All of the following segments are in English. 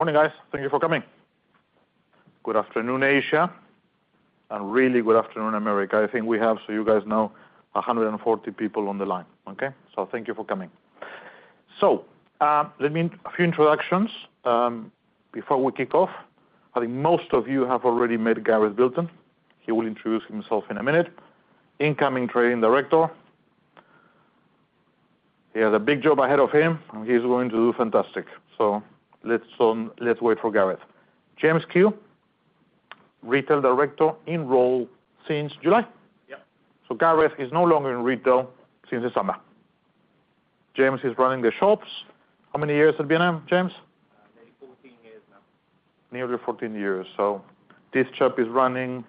Morning, guys. Thank you for coming. Good afternoon, Asia, and really good afternoon, America. I think we have, so you guys know, 140 people on the line. Okay, so thank you for coming. Let me make a few introductions before we kick off. I think most of you have already met Gareth Bilton. He will introduce himself in a minute. Incoming Trading Director. He has a big job ahead of him, and he's going to do fantastic. Let's wait for Gareth. James Kew, Retail Director in role since July. Yep. So Gareth is no longer in retail since the summer. James is running the shops. How many years at B&M, James? Nearly 14 years now. Nearly 14 years. So this shop is running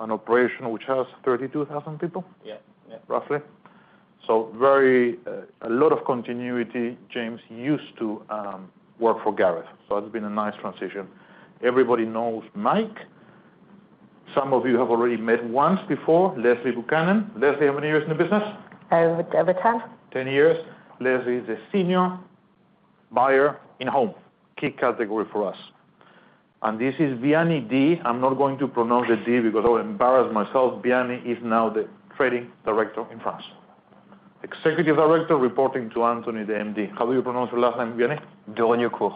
an operation which has 32,000 people. Yeah. Yeah. Roughly. So very, a lot of continuity. James used to work for Gareth. So it's been a nice transition. Everybody knows Mike. Some of you have already met once before, Lesley Buchanan. Lesley, how many years in the business? Over 10. 10 years. Lesley is a senior buyer in home. Key category for us, and this is Vianney d. I'm not going to pronounce the d'Harcourt because I will embarrass myself. Vianney is now the Trading Director in France. Executive Director reporting to Anthony, the MD. How do you pronounce your last name, Vianney? d'Harcourt.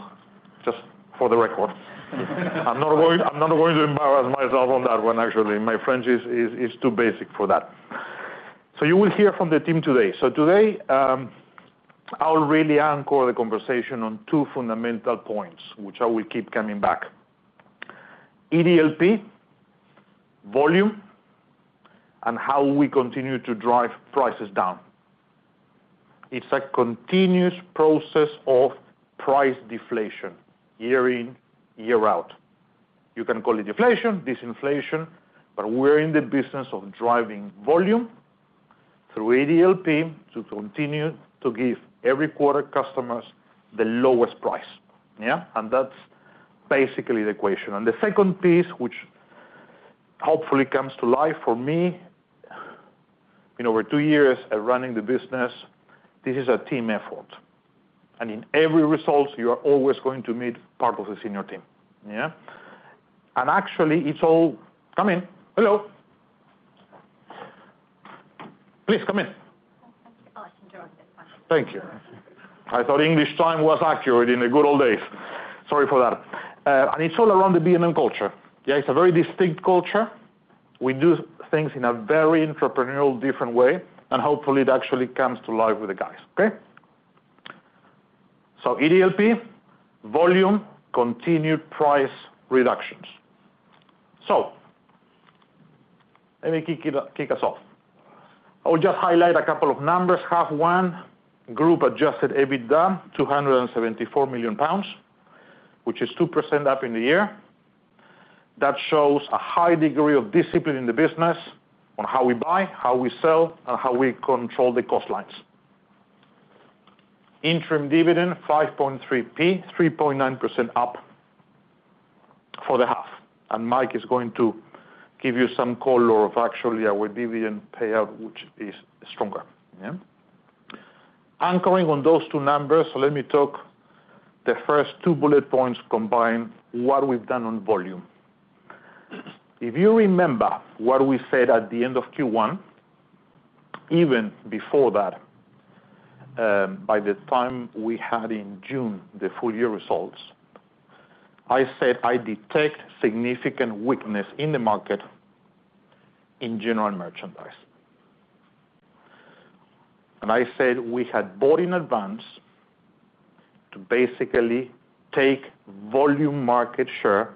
Just for the record. I'm not going to embarrass myself on that one, actually. My French is too basic for that. So you will hear from the team today. So today, I'll really anchor the conversation on two fundamental points which I will keep coming back: EDLP, volume, and how we continue to drive prices down. It's a continuous process of price deflation year in, year out. You can call it deflation, disinflation, but we're in the business of driving volume through EDLP to continue to give every quarter customers the lowest price. Yeah? And that's basically the equation. And the second piece which hopefully comes to life for me in over two years of running the business, this is a team effort. And in every result, you are always going to meet part of the senior team. Yeah? And actually, it's all, come in. Hello. Please come in. Oh, I can drive this time. Thank you. I thought English time was accurate in the good old days. Sorry for that, and it's all around the B&M culture. Yeah? It's a very distinct culture. We do things in a very entrepreneurial, different way. And hopefully, it actually comes to life with the guys. Okay? So EDLP, volume, continued price reductions. So let me kick us off. I will just highlight a couple of numbers. Half one group adjusted EBITDA, £274 million, which is 2% up in the year. That shows a high degree of discipline in the business on how we buy, how we sell, and how we control the cost lines. Interim dividend, 5.3p, 3.9% up for the half. And Mike is going to give you some color of actually our dividend payout, which is stronger. Yeah? Anchoring on those two numbers, let me talk the first two bullet points combine what we've done on volume. If you remember what we said at the end of Q1, even before that, by the time we had in June the full year results, I said I detect significant weakness in the market in General Merchandise, and I said we had bought in advance to basically take volume market share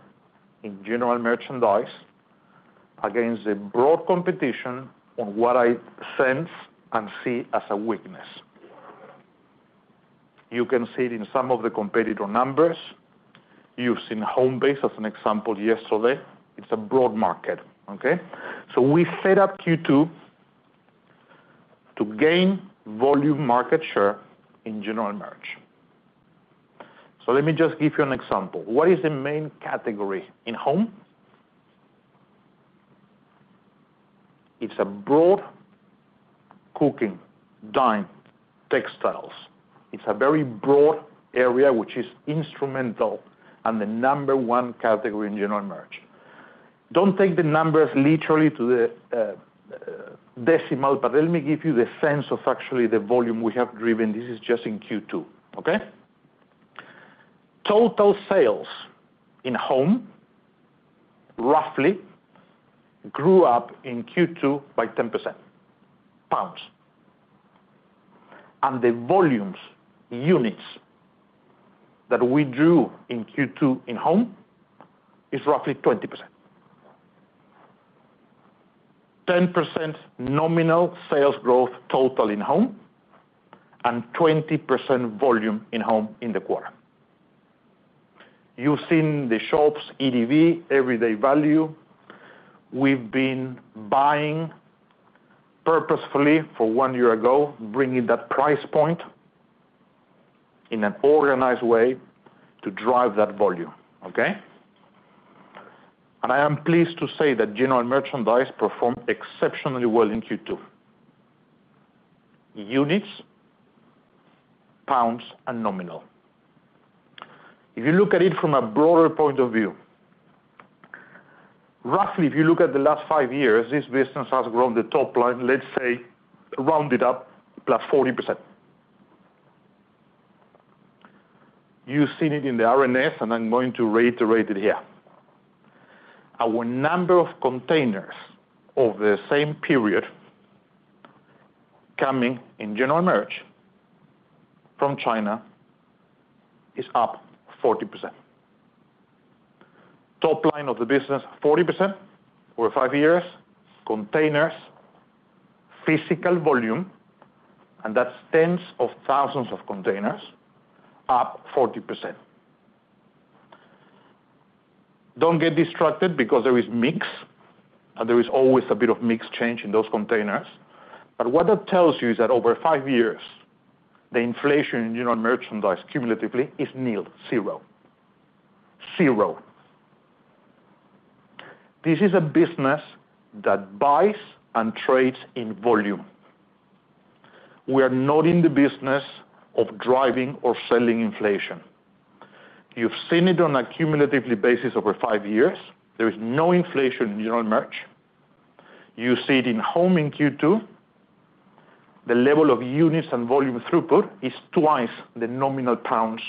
in General Merchandise against the broad competition on what I sense and see as a weakness. You can see it in some of the competitor numbers. You've seen Homebase as an example yesterday. It's a broad market. Okay? So we set up Q2 to gain volume market share in general merch. So let me just give you an example. What is the main category in home? It's a broad cooking, dine, textiles. It's a very broad area which is instrumental and the number one category in general merch. Don't take the numbers literally to the decimal, but let me give you the sense of actually the volume we have driven. This is just in Q2. Okay? Total sales in home, roughly, grew up in Q2 by 10% pounds. And the volumes, units, that we drew in Q2 in home is roughly 20%. 10% nominal sales growth total in home and 20% volume in home in the quarter. You've seen the shops, EDV, everyday value. We've been buying purposefully for one year ago, bringing that price point in an organized way to drive that volume. Okay? And I am pleased to say that general merchandise performed exceptionally well in Q2. Units, pounds, and nominal. If you look at it from a broader point of view, roughly, if you look at the last five years, this business has grown the top line, let's say, rounded up, plus 40%. You've seen it in the RNS, and I'm going to reiterate it here. Our number of containers over the same period coming in general merch from China is up 40%. Top line of the business, 40% over five years. Containers, physical volume, and that's tens of thousands of containers, up 40%. Don't get distracted because there is mix, and there is always a bit of mix change in those containers. But what that tells you is that over five years, the inflation in general merchandise cumulatively is nearly zero. Zero. This is a business that buys and trades in volume. We are not in the business of driving or selling inflation. You've seen it on a cumulative basis over five years. There is no inflation in general merch. You see it in home in Q2. The level of units and volume throughput is twice the nominal pounds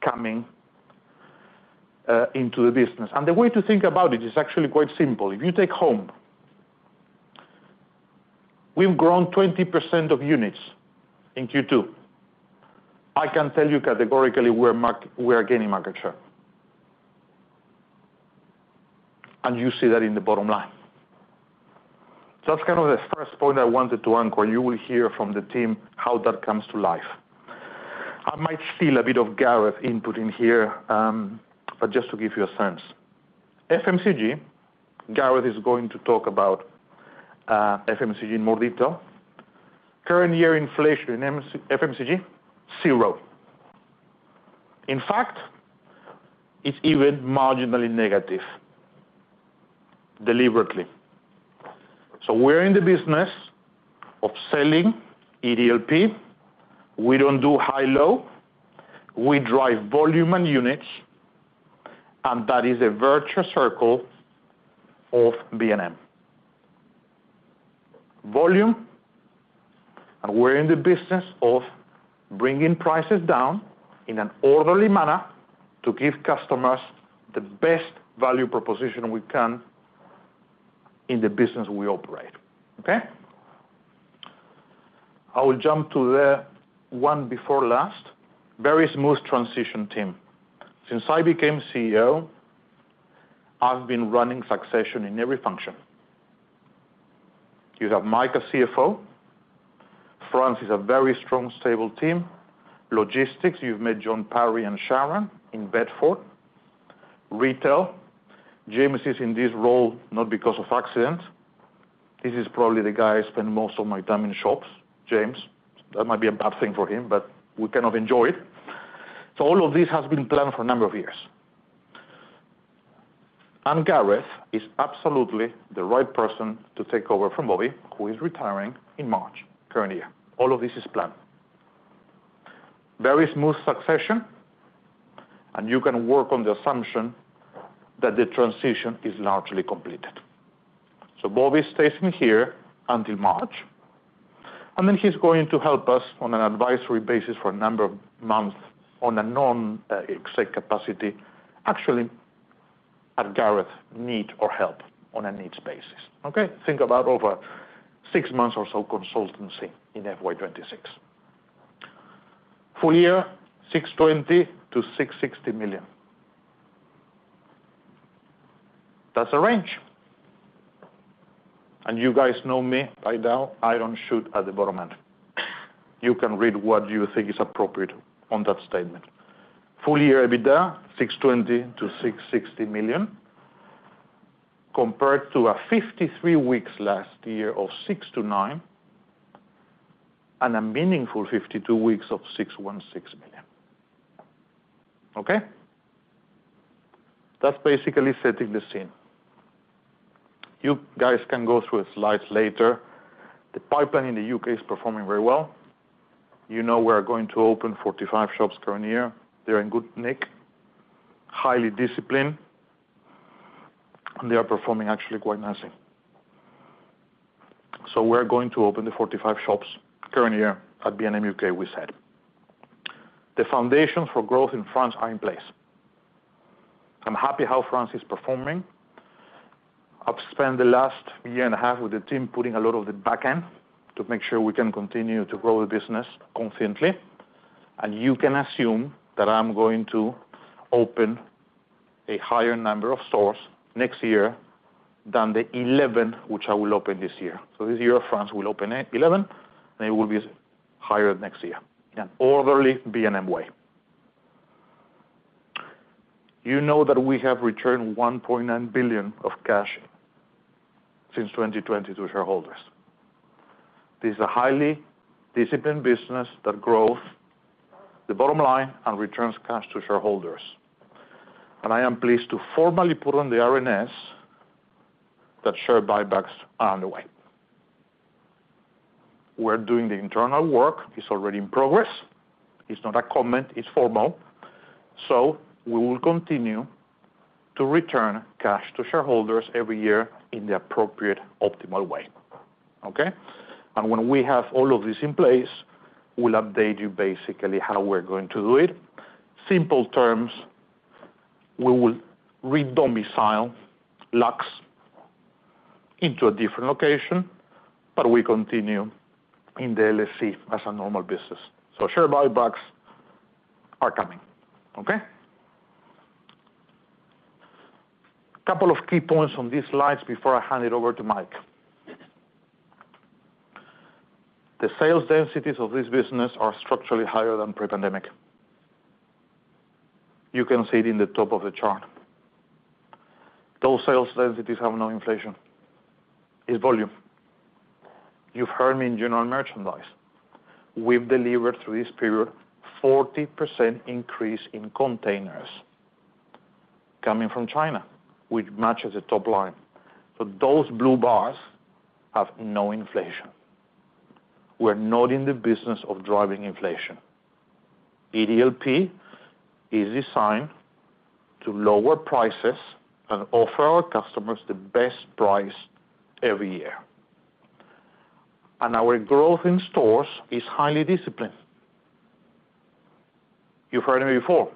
coming into the business. And the way to think about it is actually quite simple. If you take home, we've grown 20% of units in Q2. I can tell you categorically we are gaining market share. And you see that in the bottom line. So that's kind of the first point I wanted to anchor. You will hear from the team how that comes to life. I might steal a bit of Gareth's input in here, but just to give you a sense. FMCG, Gareth is going to talk about FMCG in more detail. Current year inflation in FMCG? Zero. In fact, it's even marginally negative, deliberately. We're in the business of selling EDLP. We don't do high-low. We drive volume and units. And that is a virtuous circle of B&M. Volume, and we're in the business of bringing prices down in an orderly manner to give customers the best value proposition we can in the business we operate. Okay? I will jump to the one before last. Very smooth transition, team. Since I became CEO, I've been running succession in every function. You have Mike as CFO. France is a very strong, stable team. Logistics, you've met Jon Parry and Sharon in Bedford. Retail, James is in this role not by accident. This is probably the guy I spend most of my time in shops, James. That might be a bad thing for him, but we kind of enjoy it. So all of this has been planned for a number of years. Gareth is absolutely the right person to take over from Bobby, who is retiring in March current year. All of this is planned. Very smooth succession. You can work on the assumption that the transition is largely completed. Bobby stays in here until March. Then he's going to help us on an advisory basis for a number of months on a non-exec capacity. Actually, at Gareth need or help on a needs basis. Okay? Think about over six months or so consultancy in FY 2026. Full year, GBP 620 million-GBP 660 million. That's a range. You guys know me by now. Iron shoot at the bottom end. You can read what you think is appropriate on that statement. Full year EBITDA, 620 million-660 million, compared to a 53 weeks last year of 609 million and a meaningful 52 weeks of 616 million. Okay? That's basically setting the scene. You guys can go through the slides later. The pipeline in the U.K. is performing very well. You know we're going to open 45 shops current year. They're in good nick, highly disciplined, and they are performing actually quite nicely. So we're going to open the 45 shops current year at B&M U.K., we said. The foundations for growth in France are in place. I'm happy how France is performing. I've spent the last year and a half with the team putting a lot of the back end to make sure we can continue to grow the business confidently. And you can assume that I'm going to open a higher number of stores next year than the 11 which I will open this year. So this year France will open 11, and it will be higher next year. In an orderly B&M way. You know that we have returned 1.9 billion of cash since 2020 to shareholders. This is a highly disciplined business that grows the bottom line and returns cash to shareholders. I am pleased to formally put on the RNS that share buybacks are underway. We're doing the internal work. It's already in progress. It's not a comment. It's formal. We will continue to return cash to shareholders every year in the appropriate optimal way. Okay? When we have all of this in place, we'll update you basically how we're going to do it. Simple terms, we will re-domicile Lux into a different location, but we continue in the LSE as a normal business. Share buybacks are coming. Okay? Couple of key points on these slides before I hand it over to Mike. The sales densities of this business are structurally higher than pre-pandemic. You can see it in the top of the chart. Those sales densities have no inflation. It's volume. You've heard me in general merchandise. We've delivered through this period 40% increase in containers coming from China, which matches the top line. So those blue bars have no inflation. We're not in the business of driving inflation. EDLP is designed to lower prices and offer our customers the best price every year. And our growth in stores is highly disciplined. You've heard me before.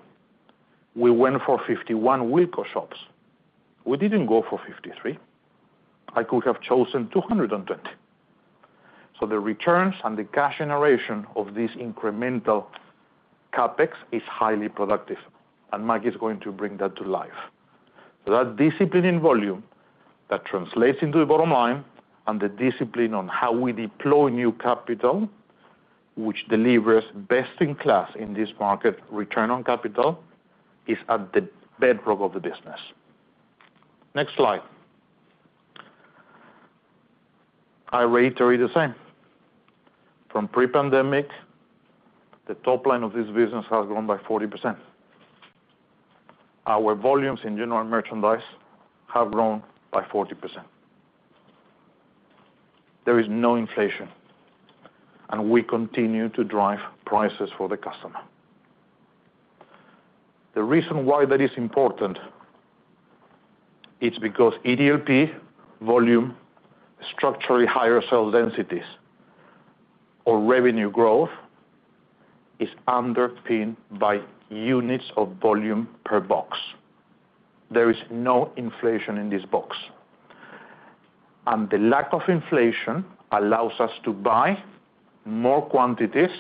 We went for 51 Wilko shops. We didn't go for 53. I could have chosen 220. So the returns and the cash generation of this incremental CapEx is highly productive. And Mike is going to bring that to life. That discipline in volume that translates into the bottom line and the discipline on how we deploy new capital, which delivers best in class in this market, return on capital, is at the bedrock of the business. Next slide. I reiterate the same. From pre-pandemic, the top line of this business has grown by 40%. Our volumes in general merchandise have grown by 40%. There is no inflation. And we continue to drive prices for the customer. The reason why that is important is because EDLP volume, structurally higher sales densities, or revenue growth is underpinned by units of volume per box. There is no inflation in this box. And the lack of inflation allows us to buy more quantities,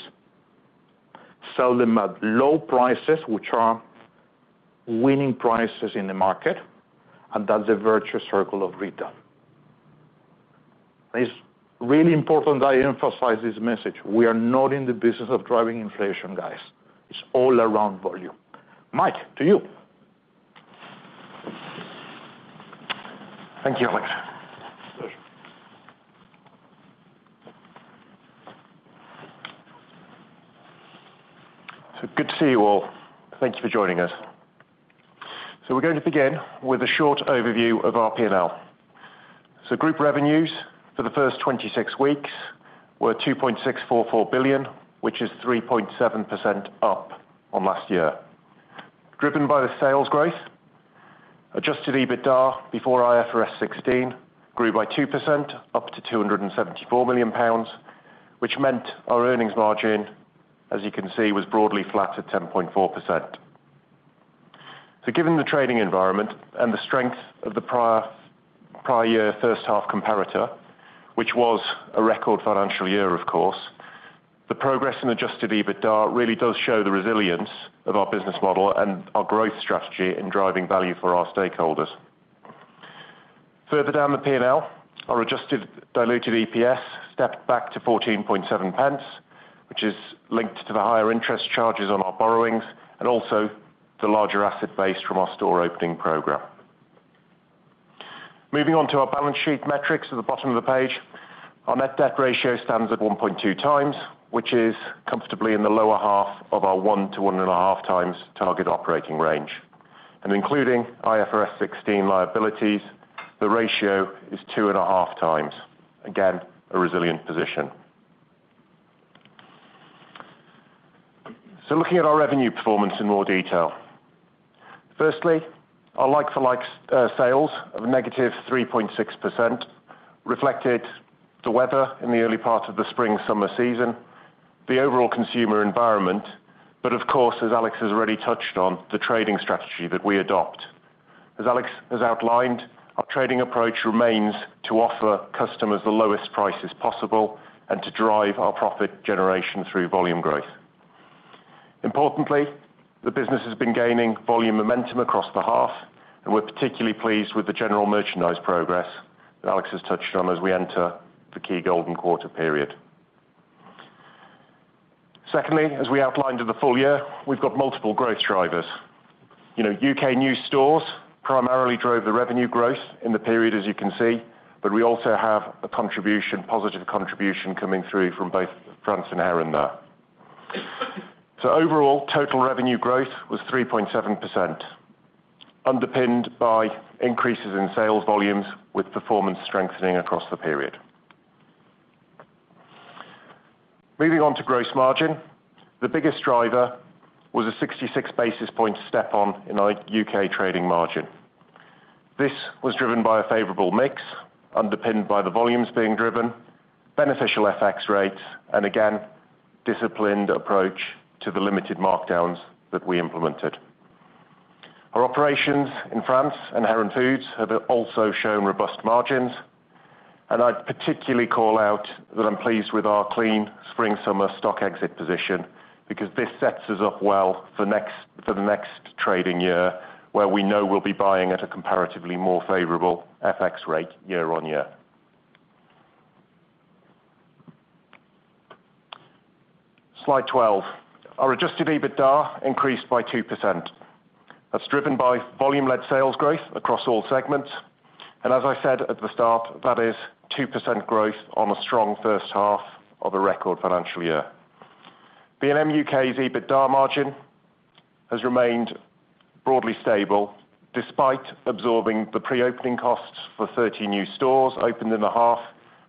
sell them at low prices, which are winning prices in the market. And that's a virtuous circle of retail. It's really important that I emphasize this message. We are not in the business of driving inflation, guys. It's all around volume. Mike, to you. Thank you, Alex. Pleasure. So good to see you all. Thank you for joining us. So we're going to begin with a short overview of our P&L. So group revenues for the first 26 weeks were 2.644 billion, which is 3.7% up on last year. Driven by the sales growth, adjusted EBITDA before IFRS 16 grew by 2%, up to 274 million pounds, which meant our earnings margin, as you can see, was broadly flat at 10.4%. So given the trading environment and the strength of the prior, prior year first half comparator, which was a record financial year, of course, the progress in adjusted EBITDA really does show the resilience of our business model and our growth strategy in driving value for our stakeholders. Further down the P&L, our adjusted diluted EPS stepped back to 14.7 pence, which is linked to the higher interest charges on our borrowings and also the larger asset base from our store opening program. Moving on to our balance sheet metrics at the bottom of the page, our net debt ratio stands at 1.2 times, which is comfortably in the lower half of our one to one and a half times target operating range. And including IFRS 16 liabilities, the ratio is two and a half times. Again, a resilient position. So looking at our revenue performance in more detail. Firstly, our like-for-like sales of -3.6% reflected the weather in the early part of the spring-summer season, the overall consumer environment, but of course, as Alex has already touched on, the trading strategy that we adopt. As Alex has outlined, our trading approach remains to offer customers the lowest prices possible and to drive our profit generation through volume growth. Importantly, the business has been gaining volume momentum across the half, and we're particularly pleased with the general merchandise progress that Alex has touched on as we enter the key golden quarter period. Secondly, as we outlined in the full year, we've got multiple growth drivers. You know, U.K. new stores primarily drove the revenue growth in the period, as you can see, but we also have a contribution, positive contribution coming through from both France and Heron. So overall total revenue growth was 3.7%, underpinned by increases in sales volumes with performance strengthening across the period. Moving on to gross margin, the biggest driver was a 66 basis point step on in our U.K. trading margin. This was driven by a favorable mix, underpinned by the volumes being driven, beneficial FX rates, and again, disciplined approach to the limited markdowns that we implemented. Our operations in France and Heron Foods have also shown robust margins, and I'd particularly call out that I'm pleased with our clean spring-summer stock exit position because this sets us up well for next, for the next trading year where we know we'll be buying at a comparatively more favorable FX rate year on year. Slide 12. Our adjusted EBITDA increased by 2%. That's driven by volume-led sales growth across all segments, and as I said at the start, that is 2% growth on a strong first half of a record financial year. B&M U.K.'s EBITDA margin has remained broadly stable despite absorbing the pre-opening costs for 30 new stores opened in the half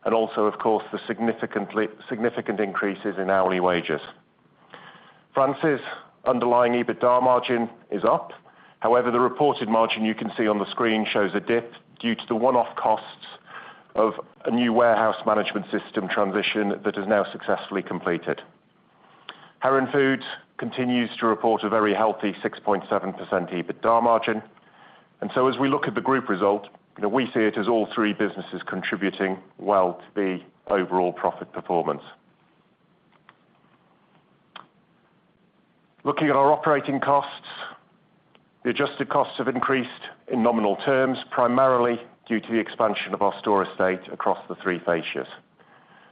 and also, of course, the significant increases in hourly wages. France's underlying EBITDA margin is up. However, the reported margin you can see on the screen shows a dip due to the one-off costs of a new warehouse management system transition that is now successfully completed. Heron Foods continues to report a very healthy 6.7% EBITDA margin. And so as we look at the group result, you know, we see it as all three businesses contributing well to the overall profit performance. Looking at our operating costs, the adjusted costs have increased in nominal terms primarily due to the expansion of our store estate across the three fascias.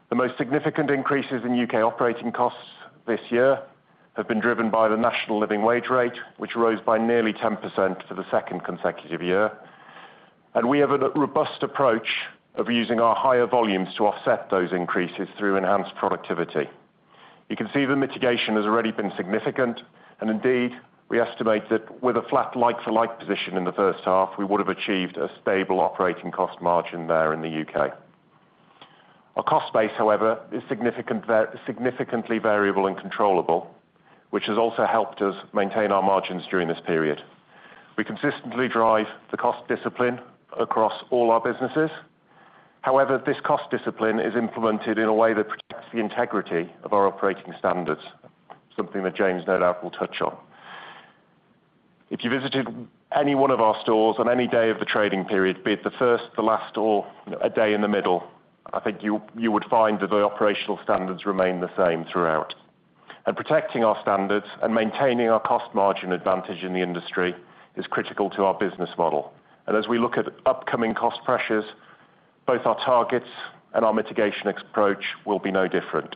The most significant increases in U.K. operating costs this year have been driven by the national living wage rate, which rose by nearly 10% for the second consecutive year. And we have a robust approach of using our higher volumes to offset those increases through enhanced productivity. You can see the mitigation has already been significant. And indeed, we estimate that with a flat like-for-like position in the first half, we would have achieved a stable operating cost margin there in the U.K.. Our cost base, however, is significantly, significantly variable and controllable. Which has also helped us maintain our margins during this period. We consistently drive the cost discipline across all our businesses. However, this cost discipline is implemented in a way that protects the integrity of our operating standards, something that James no doubt will touch on. If you visited any one of our stores on any day of the trading period, be it the first, the last, or a day in the middle, I think you would find that the operational standards remain the same throughout. Protecting our standards and maintaining our cost margin advantage in the industry is critical to our business model. As we look at upcoming cost pressures, both our targets and our mitigation approach will be no different.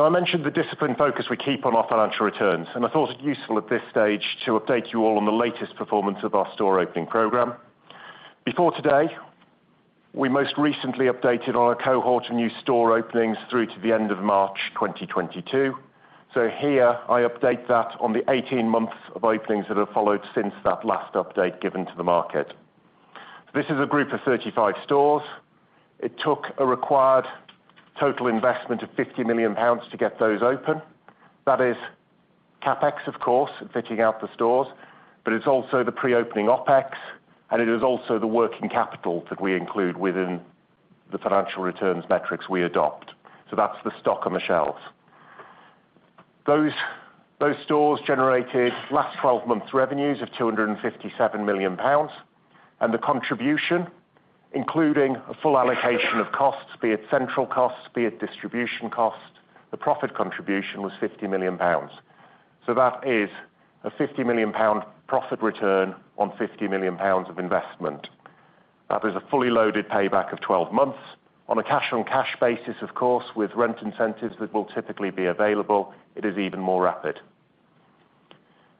I mentioned the discipline focus we keep on our financial returns. I thought it useful at this stage to update you all on the latest performance of our store opening program. Before today, we most recently updated our cohort of new store openings through to the end of March 2022. So here, I update that on the 18 months of openings that have followed since that last update given to the market. This is a group of 35 stores. It took a required total investment of 50 million pounds to get those open. That is CapEx, of course, fitting out the stores, but it's also the pre-opening OpEx, and it is also the working capital that we include within the financial returns metrics we adopt. So that's the stock on the shelves. Those stores generated last 12 months revenues of 257 million pounds. And the contribution, including a full allocation of costs, be it central costs, be it distribution costs, the profit contribution was 50 million pounds. So that is a 50 million pound profit return on 50 million pounds of investment. That is a fully loaded payback of 12 months on a cash-on-cash basis, of course, with rent incentives that will typically be available. It is even more rapid.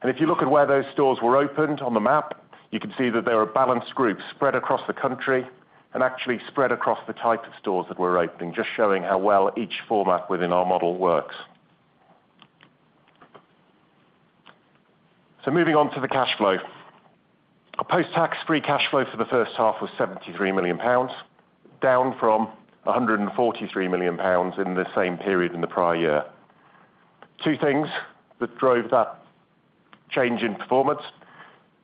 And if you look at where those stores were opened on the map, you can see that there are balanced groups spread across the country and actually spread across the type of stores that we're opening, just showing how well each format within our model works. So moving on to the cash flow. Our post-tax free cash flow for the first half was 73 million pounds, down from 143 million pounds in the same period in the prior year. Two things that drove that change in performance.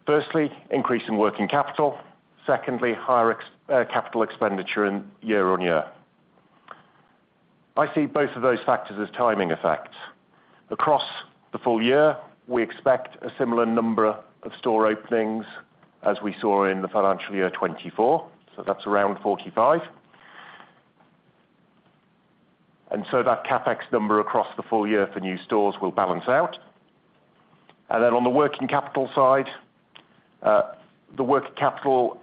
Firstly, increasing working capital. Secondly, higher capital expenditure year on year. I see both of those factors as timing effects. Across the full year, we expect a similar number of store openings as we saw in the financial year 2024. So that's around 45. That CapEx number across the full year for new stores will balance out. Then on the working capital side, the working capital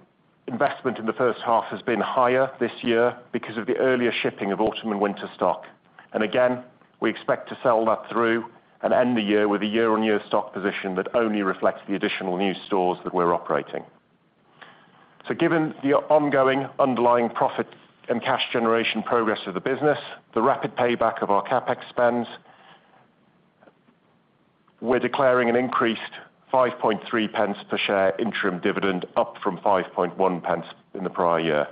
investment in the first half has been higher this year because of the earlier shipping of Autumn and Winter stock. Again, we expect to sell that through and end the year with a year-on-year stock position that only reflects the additional new stores that we're operating. Given the ongoing underlying profit and cash generation progress of the business, the rapid payback of our CapEx spends, we're declaring an increased 0.053 per share interim dividend up from 0.051 in the prior year.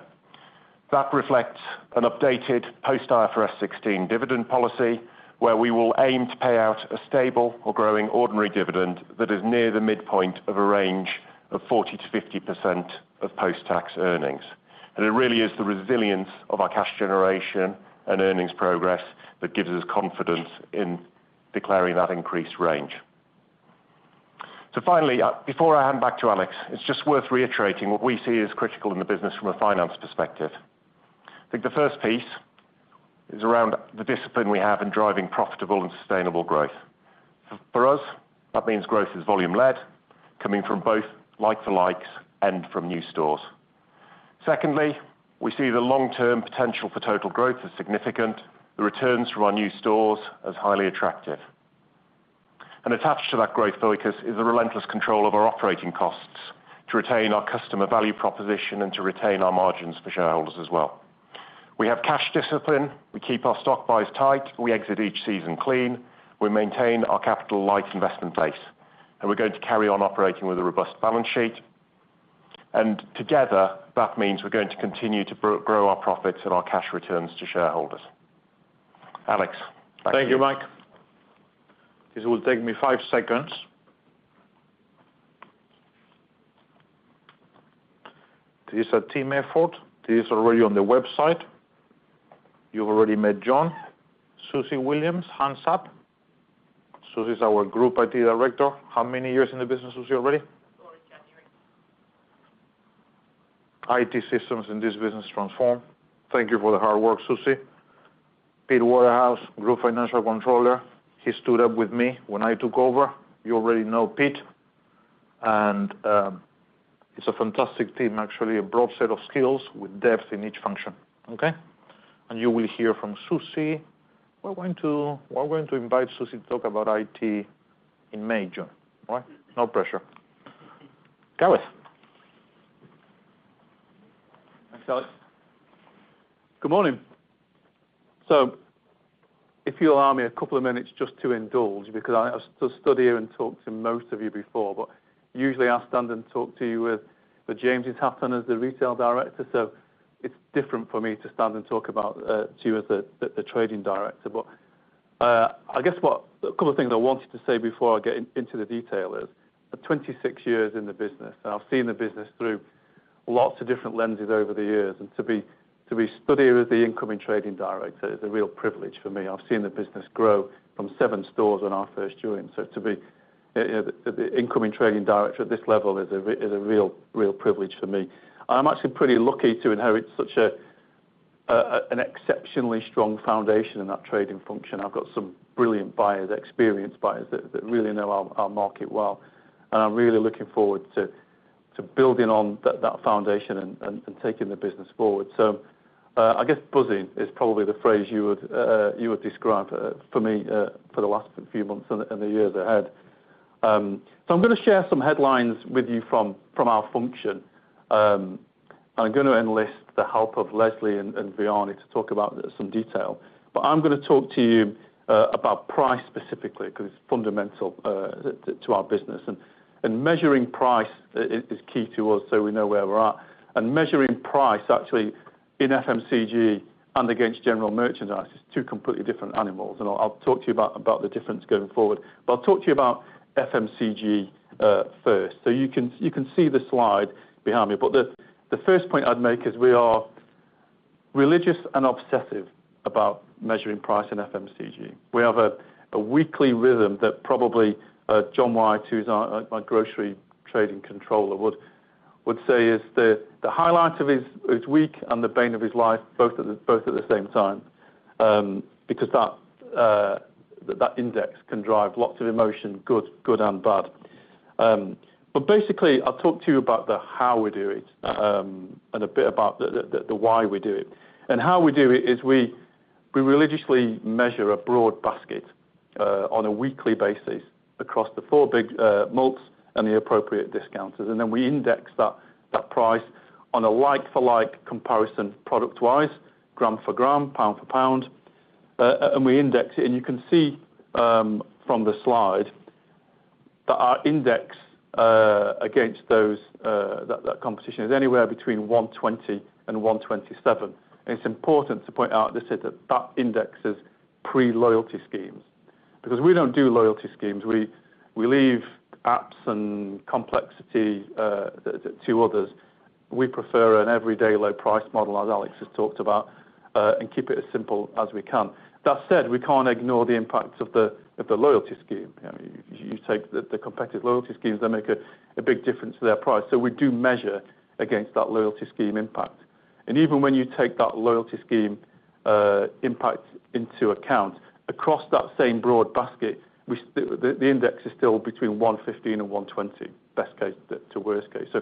That reflects an updated post-IFRS 16 dividend policy where we will aim to pay out a stable or growing ordinary dividend that is near the midpoint of a range of 40%-50% of post-tax earnings. And it really is the resilience of our cash generation and earnings progress that gives us confidence in declaring that increased range. So finally, before I hand back to Alex, it's just worth reiterating what we see as critical in the business from a finance perspective. I think the first piece is around the discipline we have in driving profitable and sustainable growth. For us, that means growth is volume-led, coming from both like-for-likes and from new stores. Secondly, we see the long-term potential for total growth is significant. The returns from our new stores are highly attractive. And attached to that growth focus is the relentless control of our operating costs to retain our customer value proposition and to retain our margins for shareholders as well. We have cash discipline. We keep our stock buys tight. We exit each season clean. We maintain our capital-light investment base. And we're going to carry on operating with a robust balance sheet. And together, that means we're going to continue to grow our profits and our cash returns to shareholders. Alex, thank you. Thank you, Mike. This will take me five seconds. This is a team effort. This is already on the website. You've already met John. Suzy Williams, hands up. Suzy's our group IT Director. How many years in the business, Suzy, already? Or January. IT systems in this business transform. Thank you for the hard work, Suzy. Peter Waterhouse, Group Financial Controller. He stood up with me when I took over. You already know Pete, and it's a fantastic team, actually, a broad set of skills with depth in each function. Okay? You will hear from Suzy. We're going to, we're going to invite Suzy to talk about IT in May, June. All right? No pressure. Gareth. Thanks, Alex. Good morning. So if you allow me a couple of minutes just to indulge, because I've stood here and talked to most of you before, but usually I stand and talk to you with James Kew as the retail director. So it's different for me to stand and talk about to you as the trading director. But I guess what a couple of things I wanted to say before I get into the detail is, for 26 years in the business, and I've seen the business through lots of different lenses over the years. And to be, to be stood here as the incoming trading director is a real privilege for me. I've seen the business grow from seven stores on our first June. So to be the incoming trading director at this level is a real, real privilege for me. I'm actually pretty lucky to inherit such a, an exceptionally strong foundation in that trading function. I've got some brilliant buyers, experienced buyers that really know our market well. And I'm really looking forward to building on that foundation and taking the business forward. So I guess buzzing is probably the phrase you would describe for me for the last few months and the years ahead. So I'm going to share some headlines with you from our function. And I'm going to enlist the help of Lesley and Vianney to talk about some detail. But I'm going to talk to you about price specifically because it's fundamental to our business. And measuring price is key to us so we know where we're at. And measuring price actually in FMCG and against general merchandise is two completely different animals. And I'll talk to you about the difference going forward. But I'll talk to you about FMCG first. So you can see the slide behind me. But the first point I'd make is we are religious and obsessive about measuring price in FMCG. We have a weekly rhythm that probably John White, who's my grocery trading controller, would say is the highlight of his week and the bane of his life, both at the same time. Because that index can drive lots of emotion, good and bad. But basically, I'll talk to you about the how we do it and a bit about the why we do it. And how we do it is we religiously measure a broad basket on a weekly basis across the four big mults and the appropriate discounters. And then we index that price on a like-for-like comparison product-wise, gram for gram, pound for pound. And we index it. And you can see from the slide that our index against those, that competition is anywhere between 120 and 127. And it's important to point out this is that that index is pre-loyalty schemes. Because we don't do loyalty schemes. We leave apps and complexity to others. We prefer an everyday low-priced model, as Alex has talked about, and keep it as simple as we can. That said, we can't ignore the impact of the loyalty scheme. You take the competitive loyalty schemes, they make a big difference to their price. So we do measure against that loyalty scheme impact. And even when you take that loyalty scheme impact into account, across that same broad basket, the index is still between 115 and 120, best case to worst case. So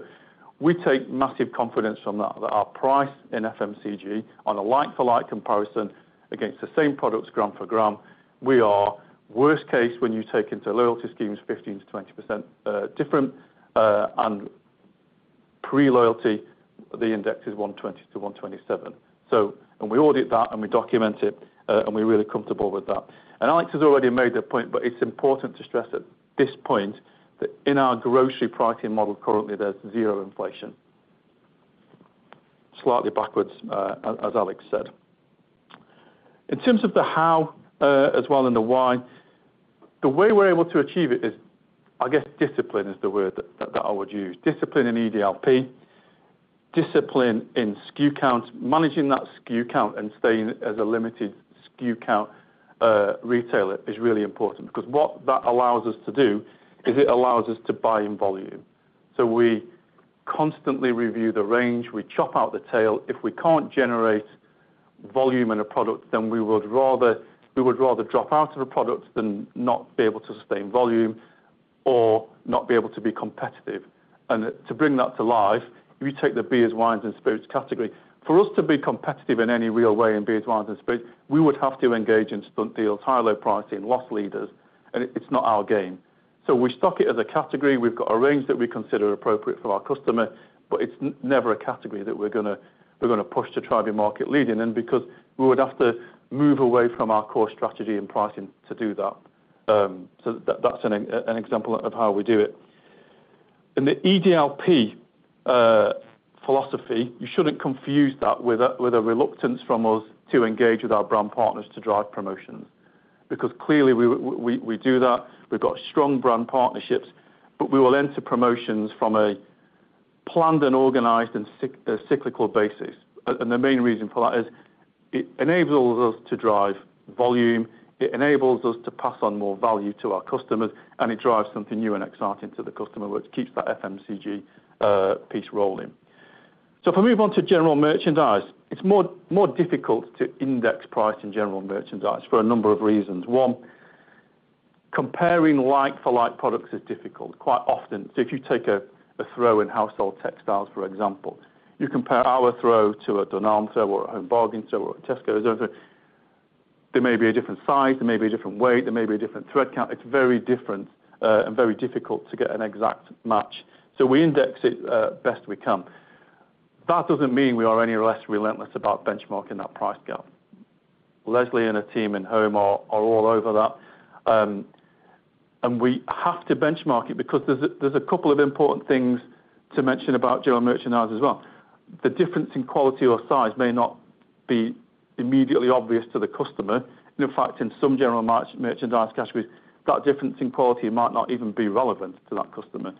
we take massive confidence from that, that our price in FMCG on a like-for-like comparison against the same products, gram for gram, we are worst case when you take into loyalty schemes 15%-20% different, and pre-loyalty, the index is 120 to 127. So, and we audit that and we document it, and we're really comfortable with that. And Alex has already made the point, but it's important to stress at this point that in our grocery pricing model currently, there's zero inflation. Slightly backwards, as Alex said. In terms of the how as well and the why, the way we're able to achieve it is, I guess discipline is the word that I would use. Discipline in EDLP, discipline in SKU counts, managing that SKU count and staying as a limited SKU count retailer is really important. Because what that allows us to do is it allows us to buy in volume. So we constantly review the range, we chop out the tail. If we can't generate volume in a product, then we would rather drop out of a product than not be able to sustain volume or not be able to be competitive. And to bring that to life, if you take the beers, wines, and spirits category, for us to be competitive in any real way in beers, wines, and spirits, we would have to engage in stunt deals, high low pricing, loss leaders, and it's not our game. So we stock it as a category. We've got a range that we consider appropriate for our customer, but it's never a category that we're going to push to try to be market leading in because we would have to move away from our core strategy and pricing to do that. So that's an example of how we do it. In the EDLP philosophy, you shouldn't confuse that with a reluctance from us to engage with our brand partners to drive promotions. Because clearly we do that. We've got strong brand partnerships, but we will enter promotions from a planned and organized and cyclical basis, and the main reason for that is it enables us to drive volume, it enables us to pass on more value to our customers, and it drives something new and exciting to the customer, which keeps that FMCG piece rolling, so if I move on to general merchandise, it's more difficult to index price in general merchandise for a number of reasons. One, comparing like-for-like products is difficult quite often. So if you take a throw in household textiles, for example, you compare our throw to a Dunelm or a Home Bargains store or a Tesco or something. They may be a different size, they may be a different weight, they may be a different thread count. It's very different and very difficult to get an exact match, so we index it best we can. That doesn't mean we are any less relentless about benchmarking that price gap. Lesley and her team in Home are all over that, and we have to benchmark it because there's a couple of important things to mention about General Merchandise as well. The difference in quality or size may not be immediately obvious to the customer. In fact, in some General Merchandise categories, that difference in quality might not even be relevant to that customer.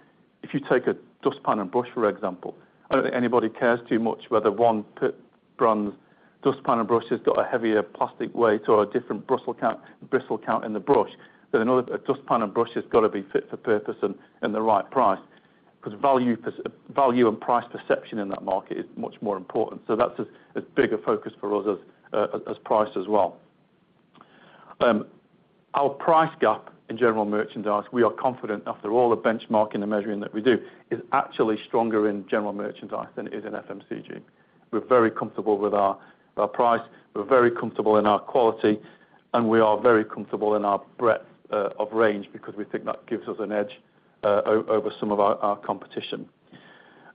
If you take a dustpan and brush, for example, I don't think anybody cares too much whether one brand's dustpan and brush has got a heavier plastic weight or a different bristle count in the brush. Then another dustpan and brush has got to be fit for purpose and the right price. Because value and price perception in that market is much more important. So that's as big a focus for us as price as well. Our price gap in General Merchandise, we are confident after all the benchmarking and measuring that we do, is actually stronger in General Merchandise than it is in FMCG. We're very comfortable with our price, we're very comfortable in our quality, and we are very comfortable in our breadth of range because we think that gives us an edge over some of our competition.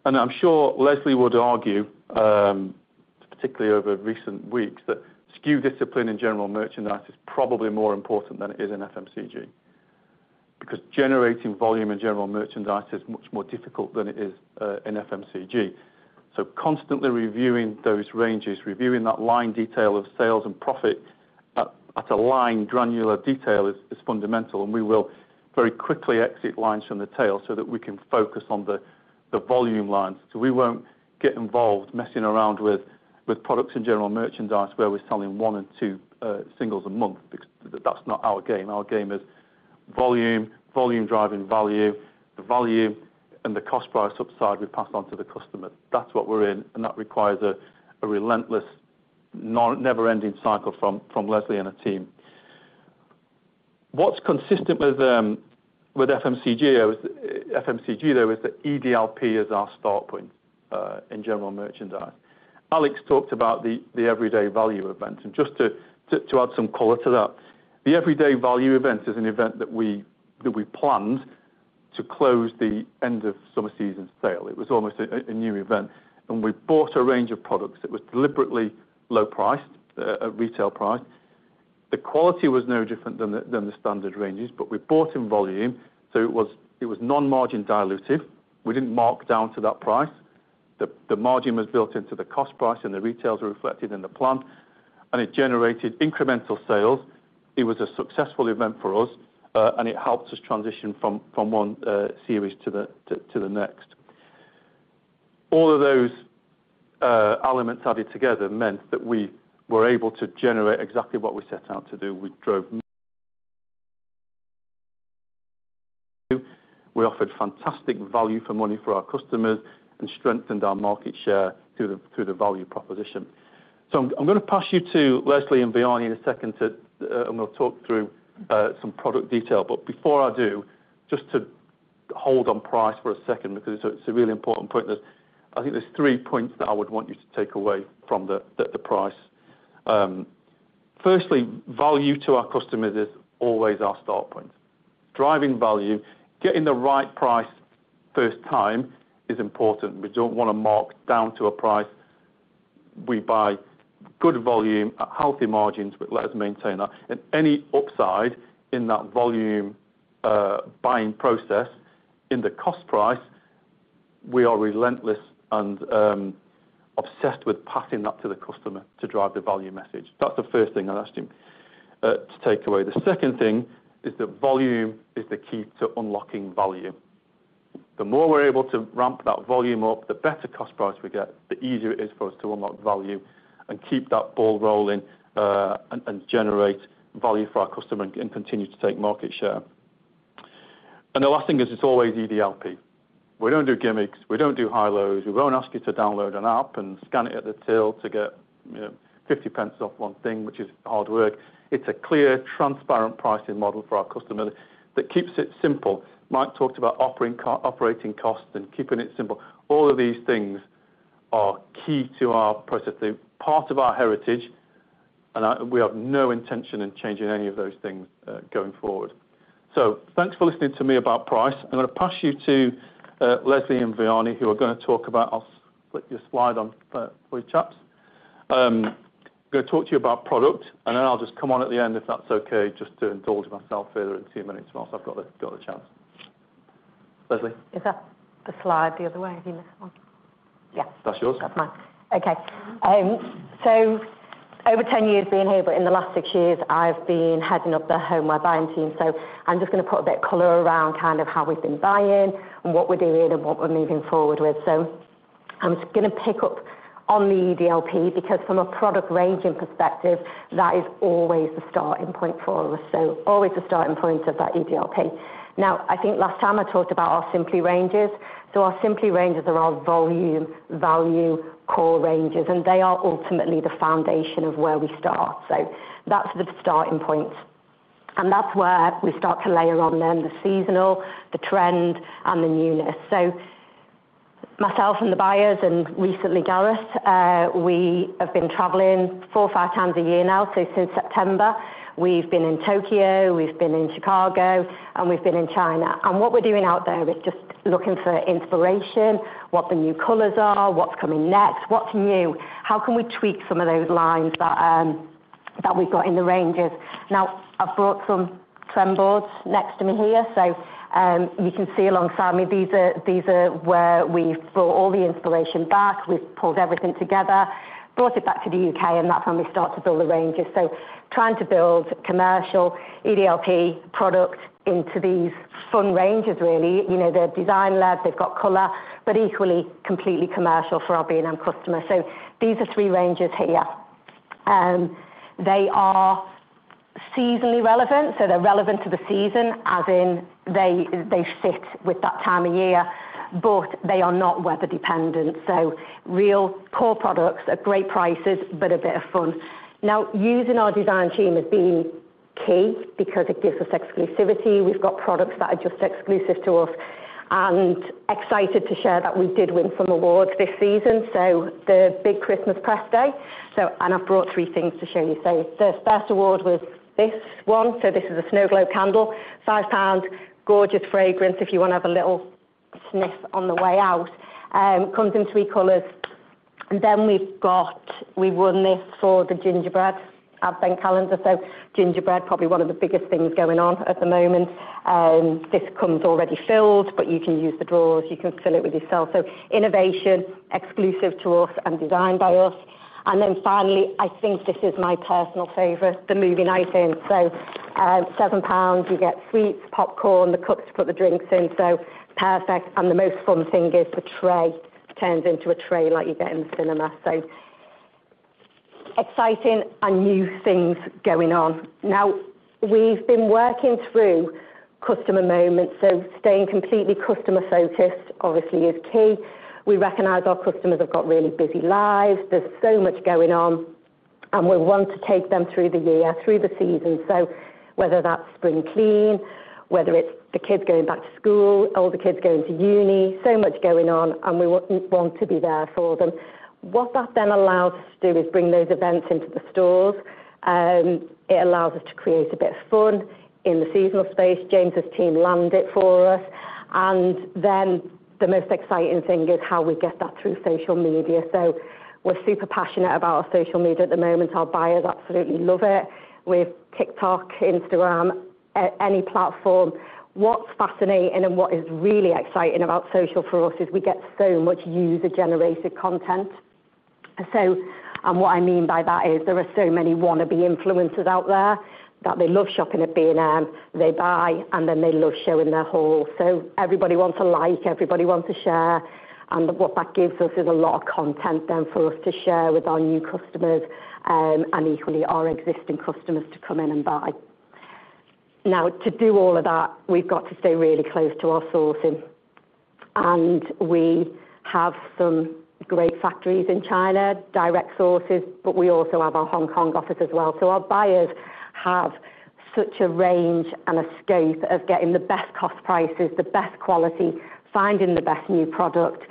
And I'm sure Lesley would argue, particularly over recent weeks, that SKU discipline in General Merchandise is probably more important than it is in FMCG. Because generating volume in General Merchandise is much more difficult than it is in FMCG. So constantly reviewing those ranges, reviewing that line detail of sales and profit at a line, granular detail is fundamental. And we will very quickly exit lines from the tail so that we can focus on the volume lines. So we won't get involved messing around with products in General Merchandise where we're selling one and two singles a month. That's not our game. Our game is volume, volume driving value, the volume and the cost price upside we pass on to the customer. That's what we're in. And that requires a relentless, never-ending cycle from Lesley and her team. What's consistent with FMCG, though, is that EDLP is our start point in General Merchandise. Alex talked about the everyday value event. And just to add some color to that, the everyday value event is an event that we planned to close the end of summer season sale. It was almost a new event. We bought a range of products that was deliberately low priced, retail priced. The quality was no different than the standard ranges, but we bought in volume. So it was non-margin dilutive. We didn't mark down to that price. The margin was built into the cost price and the retail price was reflected in the plan. It generated incremental sales. It was a successful event for us, and it helped us transition from one series to the next. All of those elements added together meant that we were able to generate exactly what we set out to do. We drove meaningful value. We offered fantastic value for money for our customers and strengthened our market share through the value proposition. So I'm going to pass you to Lesley and Vianney in a second. I'm going to talk through some product detail. But before I do, just to hold on price for a second, because it's a really important point. I think there's three points that I would want you to take away from the price. Firstly, value to our customers is always our start point. Driving value, getting the right price first time is important. We don't want to mark down to a price. We buy good volume at healthy margins, but let us maintain that. And any upside in that volume buying process in the cost price, we are relentless and obsessed with passing that to the customer to drive the value message. That's the first thing I'd asked him to take away. The second thing is that volume is the key to unlocking value. The more we're able to ramp that volume up, the better cost price we get, the easier it is for us to unlock value and keep that ball rolling and generate value for our customer and continue to take market share and the last thing is it's always EDLP. We don't do gimmicks. We don't do high lows. We won't ask you to download an app and scan it at the till to get 50 pence off one thing, which is hard work. It's a clear, transparent pricing model for our customer that keeps it simple. Mike talked about operating costs and keeping it simple. All of these things are key to our process. They're part of our heritage, and we have no intention of changing any of those things going forward, so thanks for listening to me about price. I'm going to pass you to Lesley and Vianney, who are going to talk about. I'll flip your slide on for you chaps. I'm going to talk to you about product, and then I'll just come on at the end if that's okay, just to indulge myself further in a few minutes whilst I've got the chance. Lesley? Is that the slide the other way? Have you missed one? Yeah. That's yours. That's mine. Okay. So over 10 years being here, but in the last six years, I've been heading up the home buying team. So I'm just going to put a bit of color around kind of how we've been buying and what we're doing and what we're moving forward with. So I'm just going to pick up on the EDLP because from a product range perspective, that is always the starting point for us. Always the starting point of that EDLP. Now, I think last time I talked about our Simply ranges. Our Simply ranges are our volume, value, core ranges, and they are ultimately the foundation of where we start. That's the starting point. That's where we start to layer on then the seasonal, the trend, and the newness. Myself and the buyers and recently Gareth, we have been traveling four, five times a year now. Since September, we've been in Tokyo, we've been in Chicago, and we've been in China. What we're doing out there is just looking for inspiration, what the new colors are, what's coming next, what's new, how can we tweak some of those lines that we've got in the ranges. Now, I've brought some sample boards next to me here. So you can see alongside me, these are where we've brought all the inspiration back. We've pulled everything together, brought it back to the U.K., and that's when we start to build the ranges. So trying to build commercial EDLP product into these fun ranges, really. They're design-led, they've got color, but equally completely commercial for our B&M customers. So these are three ranges here. They are seasonally relevant. So they're relevant to the season, as in they fit with that time of year, but they are not weather-dependent. So real core products at great prices, but a bit of fun. Now, using our design team has been key because it gives us exclusivity. We've got products that are just exclusive to us. And excited to share that we did win some awards this season, so the big Christmas press day. And I've brought three things to show you. The first award was this one. This is a Snow Globe Candle, 5 pound, gorgeous fragrance if you want to have a little sniff on the way out. It comes in three colors. Then we won this for the Gingerbread Advent Calendar. Gingerbread, probably one of the biggest things going on at the moment. This comes already filled, but you can use the drawers, you can fill it with yourself. Innovation, exclusive to us and designed by us. Then finally, I think this is my personal favorite, the Movie Night In. 7 pounds, you get sweets, popcorn, the cups to put the drinks in. Perfect. The most fun thing is the tray turns into a tray like you get in the cinema. Exciting and new things going on. Now, we've been working through customer moments. Staying completely customer-focused, obviously, is key. We recognize our customers have got really busy lives. There's so much going on. We want to take them through the year, through the season. Whether that's spring clean, whether it's the kids going back to school, all the kids going to uni, so much going on, and we want to be there for them. What that then allows us to do is bring those events into the stores. It allows us to create a bit of fun in the seasonal space. James's team landed it for us. The most exciting thing is how we get that through social media. We're super passionate about our social media at the moment. Our buyers absolutely love it. We have TikTok, Instagram, any platform. What's fascinating and what is really exciting about social for us is we get so much user-generated content. And what I mean by that is there are so many wannabe influencers out there that they love shopping at B&M, they buy, and then they love showing their haul. So everybody wants a like, everybody wants to share. And what that gives us is a lot of content then for us to share with our new customers and equally our existing customers to come in and buy. Now, to do all of that, we've got to stay really close to our sourcing. And we have some great factories in China, direct sources, but we also have our Hong Kong office as well. So our buyers have such a range and a scope of getting the best cost prices, the best quality, finding the best new product.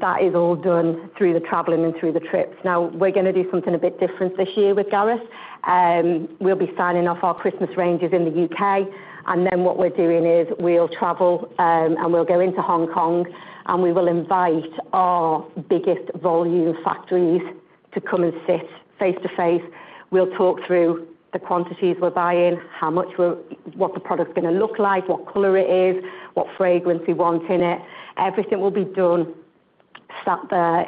That is all done through the traveling and through the trips. Now, we're going to do something a bit different this year with Gareth. We'll be signing off our Christmas ranges in the U.K.. And then what we're doing is we'll travel and we'll go into Hong Kong, and we will invite our biggest volume factories to come and sit face to face. We'll talk through the quantities we're buying, what the product's going to look like, what color it is, what fragrance we want in it. Everything will be done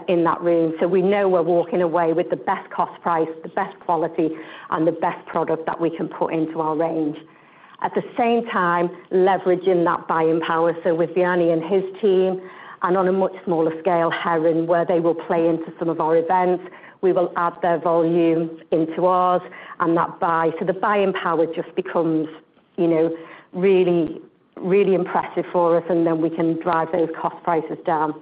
in that room. So we know we're walking away with the best cost price, the best quality, and the best product that we can put into our range. At the same time, leveraging that buying power. So with Vianney and his team, and on a much smaller scale, Heron, where they will play into some of our events, we will add their volume into ours. And that buy. So the buying power just becomes really, really impressive for us, and then we can drive those cost prices down.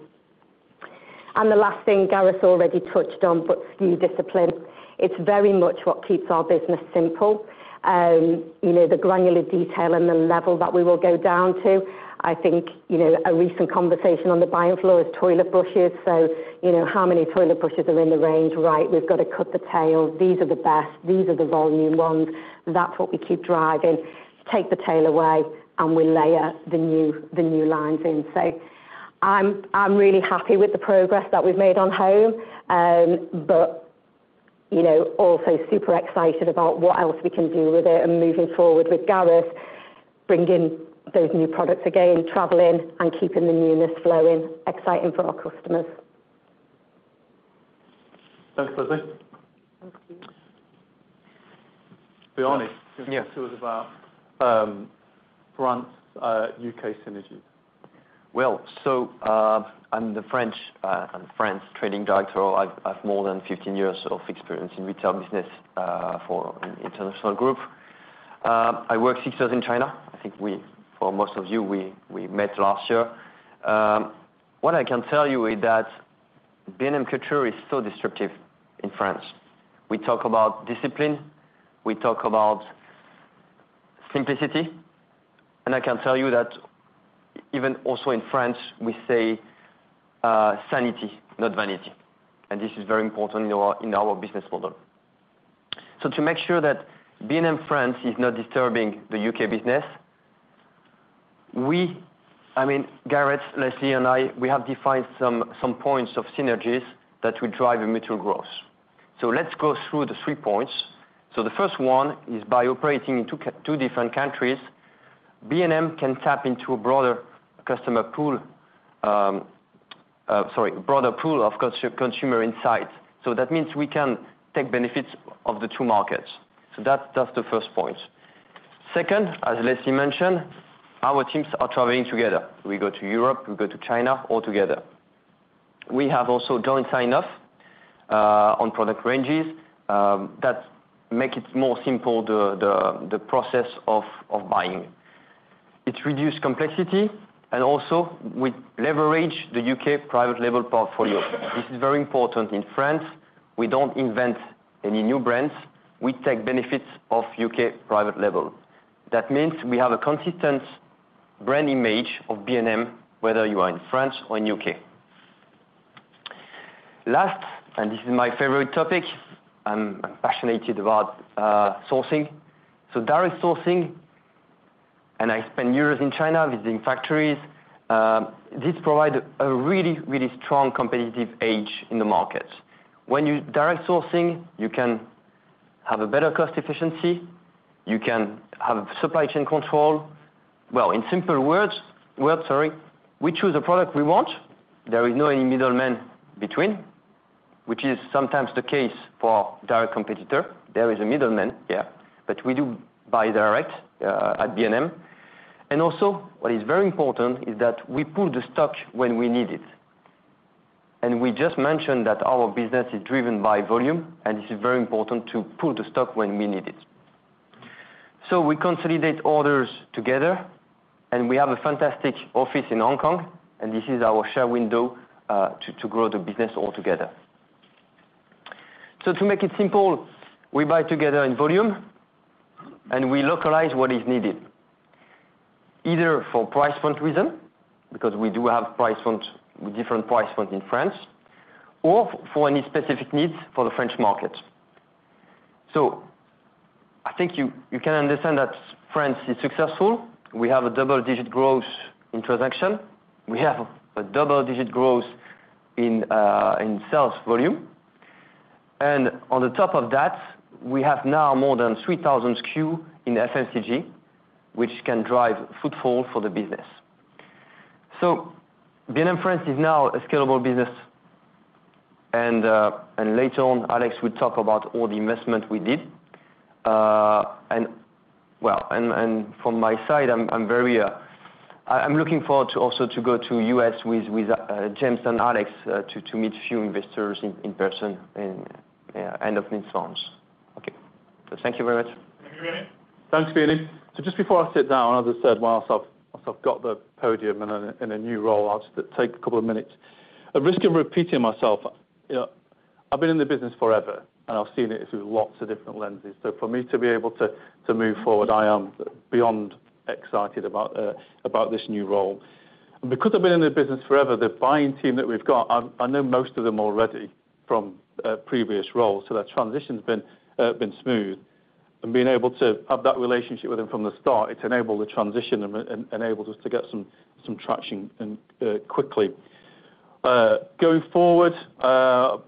And the last thing Gareth already touched on, but SKU discipline. It's very much what keeps our business simple. The granular detail and the level that we will go down to. I think a recent conversation on the buying floor is toilet brushes. So how many toilet brushes are in the range? Right, we've got to cut the tail. These are the best. These are the volume ones. That's what we keep driving. Take the tail away, and we layer the new lines in. So I'm really happy with the progress that we've made on home, but also super excited about what else we can do with it and moving forward with Gareth, bringing those new products again, traveling, and keeping the newness flowing. Exciting for our customers. Thanks, Lesley. Vianney, give us your two words about France U.K. synergy. Well, so I'm the French Trading Director. I have more than 15 years of experience in retail business for an international group. I work six years in China. I think for most of you, we met last year. What I can tell you is that B&M culture is so disruptive in France. We talk about discipline. We talk about simplicity. And I can tell you that even also in France, we say sanity, not vanity. And this is very important in our business model. So to make sure that B&M France is not disturbing the U.K. business, we, I mean, Gareth, Lesley, and I, we have defined some points of synergies that will drive mutual growth. So let's go through the three points. So the first one is by operating in two different countries, B&M can tap into a broader customer pool, sorry, broader pool of consumer insights. So that means we can take benefits of the two markets. So that's the first point. Second, as Lesley mentioned, our teams are traveling together. We go to Europe, we go to China, all together. We have also joint sign-off on product ranges that make it more simple, the process of buying. It reduces complexity, and also we leverage the U.K. private label portfolio. This is very important in France. We don't invent any new brands. We take benefits of U.K. private label. That means we have a consistent brand image of B&M, whether you are in France or in U.K.. Last, and this is my favorite topic. I'm passionate about sourcing. Direct sourcing, and I spent years in China visiting factories. This provides a really, really strong competitive edge in the market. When you're direct sourcing, you can have a better cost efficiency. You can have supply chain control. In simple words, sorry, we choose a product we want. There is no middleman between, which is sometimes the case for direct competitor. There is a middleman, yeah, but we do buy direct at B&M. Also, what is very important is that we pull the stock when we need it. We just mentioned that our business is driven by volume, and it's very important to pull the stock when we need it. So we consolidate orders together, and we have a fantastic office in Hong Kong, and this is our share window to grow the business altogether. So to make it simple, we buy together in volume, and we localize what is needed, either for price fund reason, because we do have price fund, different price fund in France, or for any specific needs for the French market. So I think you can understand that France is successful. We have a double-digit growth in transaction. We have a double-digit growth in sales volume. And on the top of that, we have now more than 3,000 SKU in FMCG, which can drive footfall for the business. So B&M France is now a scalable business. And later on, Alex will talk about all the investment we did. From my side, I'm looking forward to also go to the U.S. with James and Alex to meet a few investors in person and off to France. Okay. Thank you very much. Thank you, Vianney. Thanks, Vianney. Just before I sit down, as I said, from the podium in my new role, I'll just take a couple of minutes. At risk of repeating myself, I've been in the business forever, and I've seen it through lots of different lenses. For me to be able to move forward, I am beyond excited about this new role. Because I've been in the business forever, the buying team that we've got, I know most of them already from previous roles. That transition has been smooth. Being able to have that relationship with them from the start, it's enabled the transition and enabled us to get some traction quickly. Going forward,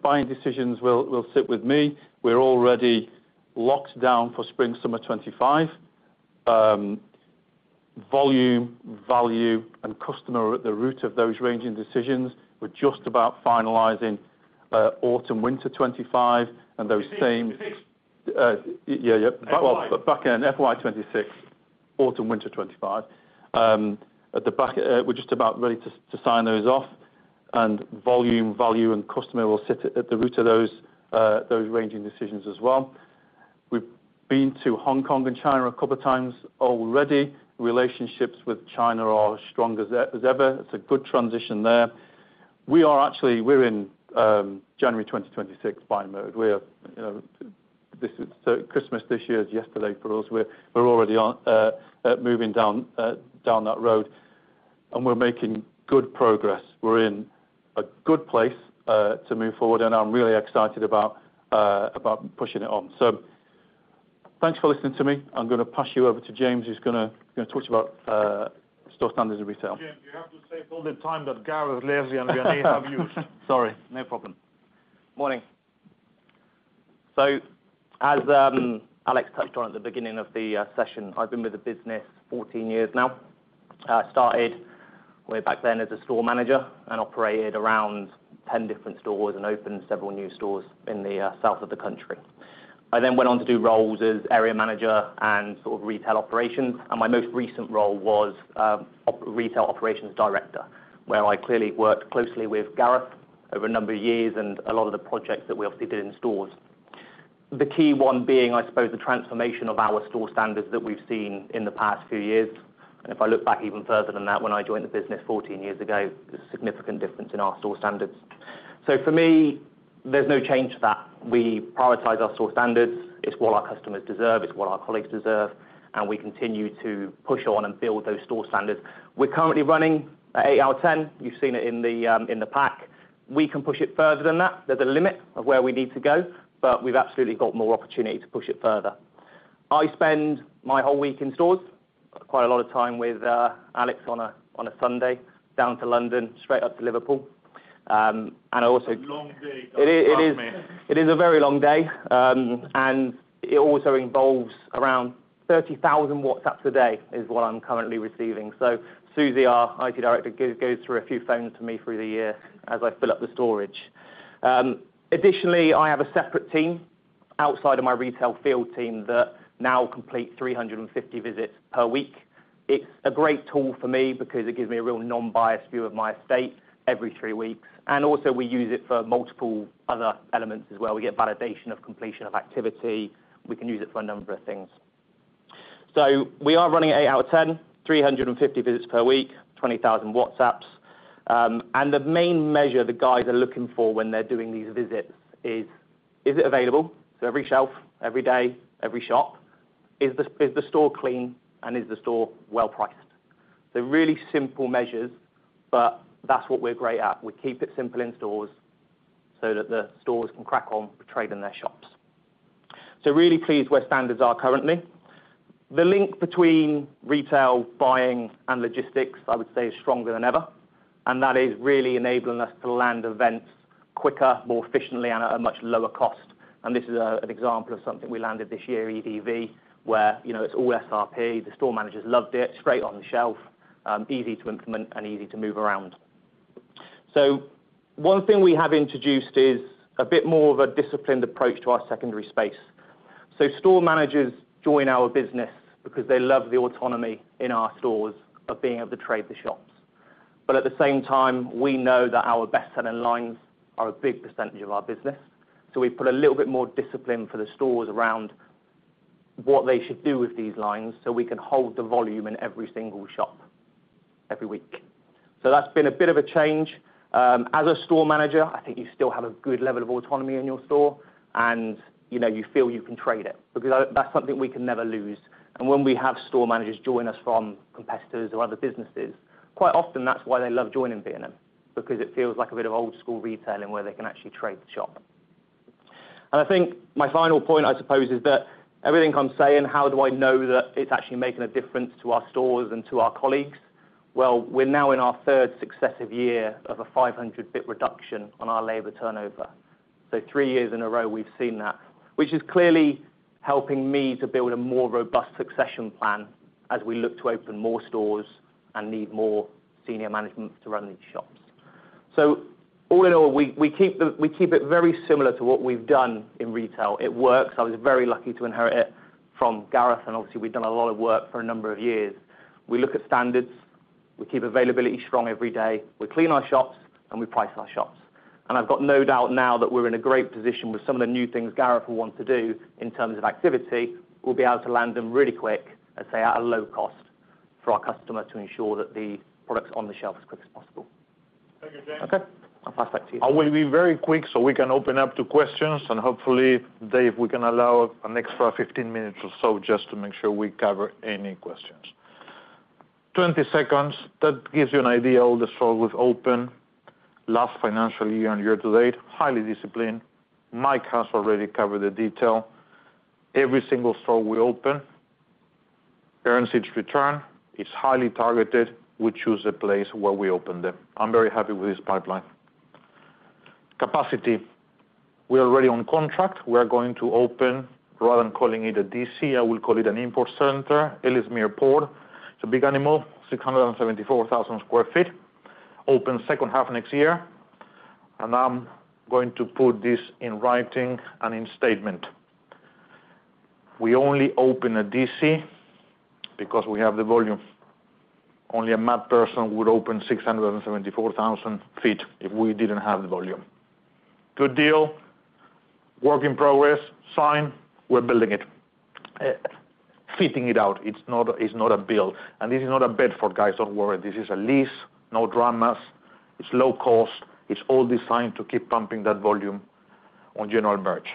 buying decisions will sit with me. We're already locked down for Spring Summer 2025. Volume, value, and customer are at the root of those ranging decisions. We're just about finalizing Autumn Winter 2025 and those same. Yeah, yeah. Back end, FY 2026, Autumn Winter 2025. At the back, we're just about ready to sign those off. And volume, value, and customer will sit at the root of those ranging decisions as well. We've been to Hong Kong and China a couple of times already. Relationships with China are as strong as ever. It's a good transition there. We are actually, we're in January 2026 buying mode. Christmas this year is yesterday for us. We're already moving down that road. And we're making good progress. We're in a good place to move forward, and I'm really excited about pushing it on. So thanks for listening to me. I'm going to pass you over to James, who's going to talk to you about store standards and retail. James, you have to say all the time that Gareth, Lesley, and Vianney have used. Sorry. No problem. Morning. So as Alex touched on at the beginning of the session, I've been with the business 14 years now. I started back then as a store manager and operated around 10 different stores and opened several new stores in the south of the country. I then went on to do roles as area manager and sort of retail operations. My most recent role was retail operations director, where I clearly worked closely with Gareth over a number of years and a lot of the projects that we obviously did in stores. The key one being, I suppose, the transformation of our store standards that we've seen in the past few years. If I look back even further than that, when I joined the business 14 years ago, there's a significant difference in our store standards. For me, there's no change to that. We prioritize our store standards. It's what our customers deserve. It's what our colleagues deserve. We continue to push on and build those store standards. We're currently running at 8 out of 10. You've seen it in the pack. We can push it further than that. There's a limit of where we need to go, but we've absolutely got more opportunity to push it further. I spend my whole week in stores, quite a lot of time with Alex on a Sunday, down to London, straight up to Liverpool. It's a long day. It is a very long day. And it also involves around 30,000 WhatsApps a day is what I'm currently receiving. So Suzy, our IT director, goes through a few phones to me through the year as I fill up the storage. Additionally, I have a separate team outside of my retail field team that now completes 350 visits per week. It's a great tool for me because it gives me a real non-biased view of my estate every three weeks, and also, we use it for multiple other elements as well. We get validation of completion of activity. We can use it for a number of things so we are running 8 out of 10, 350 visits per week, 20,000 WhatsApps and the main measure the guys are looking for when they're doing these visits is, is it available? Every shelf, every day, every shop, is the store clean and is the store well-priced so really simple measures, but that's what we're great at. We keep it simple in stores so that the stores can crack on trading their shops so really pleased where standards are currently. The link between retail, buying, and logistics, I would say, is stronger than ever and that is really enabling us to land events quicker, more efficiently, and at a much lower cost and this is an example of something we landed this year, EDV, where it's all SRP. The store managers loved it. Straight on the shelf, easy to implement, and easy to move around. So one thing we have introduced is a bit more of a disciplined approach to our secondary space. So store managers join our business because they love the autonomy in our stores of being able to trade the shops. But at the same time, we know that our best-selling lines are a big percentage of our business. So we've put a little bit more discipline for the stores around what they should do with these lines so we can hold the volume in every single shop every week. So that's been a bit of a change. As a store manager, I think you still have a good level of autonomy in your store, and you feel you can trade it because that's something we can never lose. When we have store managers join us from competitors or other businesses, quite often, that's why they love joining B&M, because it feels like a bit of old-school retailing where they can actually trade the shop. I think my final point, I suppose, is that everything I'm saying, how do I know that it's actually making a difference to our stores and to our colleagues? We're now in our third successive year of a 500 basis point reduction on our labor turnover. Three years in a row, we've seen that, which is clearly helping me to build a more robust succession plan as we look to open more stores and need more senior management to run these shops. All in all, we keep it very similar to what we've done in retail. It works. I was very lucky to inherit it from Gareth. And obviously, we've done a lot of work for a number of years. We look at standards. We keep availability strong every day. We clean our shops, and we price our shops. And I've got no doubt now that we're in a great position with some of the new things Gareth will want to do in terms of activity. We'll be able to land them really quick and say at a low cost for our customer to ensure that the product's on the shelf as quick as possible. Thank you, James. Okay. I'll pass back to you. I will be very quick so we can open up to questions. And hopefully, Dave, we can allow an extra 15 minutes or so just to make sure we cover any questions. 20 seconds. That gives you an idea of all the stores we've opened last financial year and year to date. Highly disciplined. Mike has already covered the detail. Every single store we open earns its return. It's highly targeted. We choose the place where we open them. I'm very happy with this pipeline. Capacity. We're already on contract. We're going to open, rather than calling it a DC, I will call it an import center, Ellesmere Port. It's a big animal, 674,000 sq ft. Open second half next year. I'm going to put this in writing and in statement. We only open a DC because we have the volume. Only a mad person would open 674,000 sq ft if we didn't have the volume. Good deal. Work in progress. Signed. We're building it. Fitting it out. It's not a build. This is not a bed for guys. Don't worry. This is a lease. No dramas. It's low cost. It's all designed to keep pumping that volume on general merch.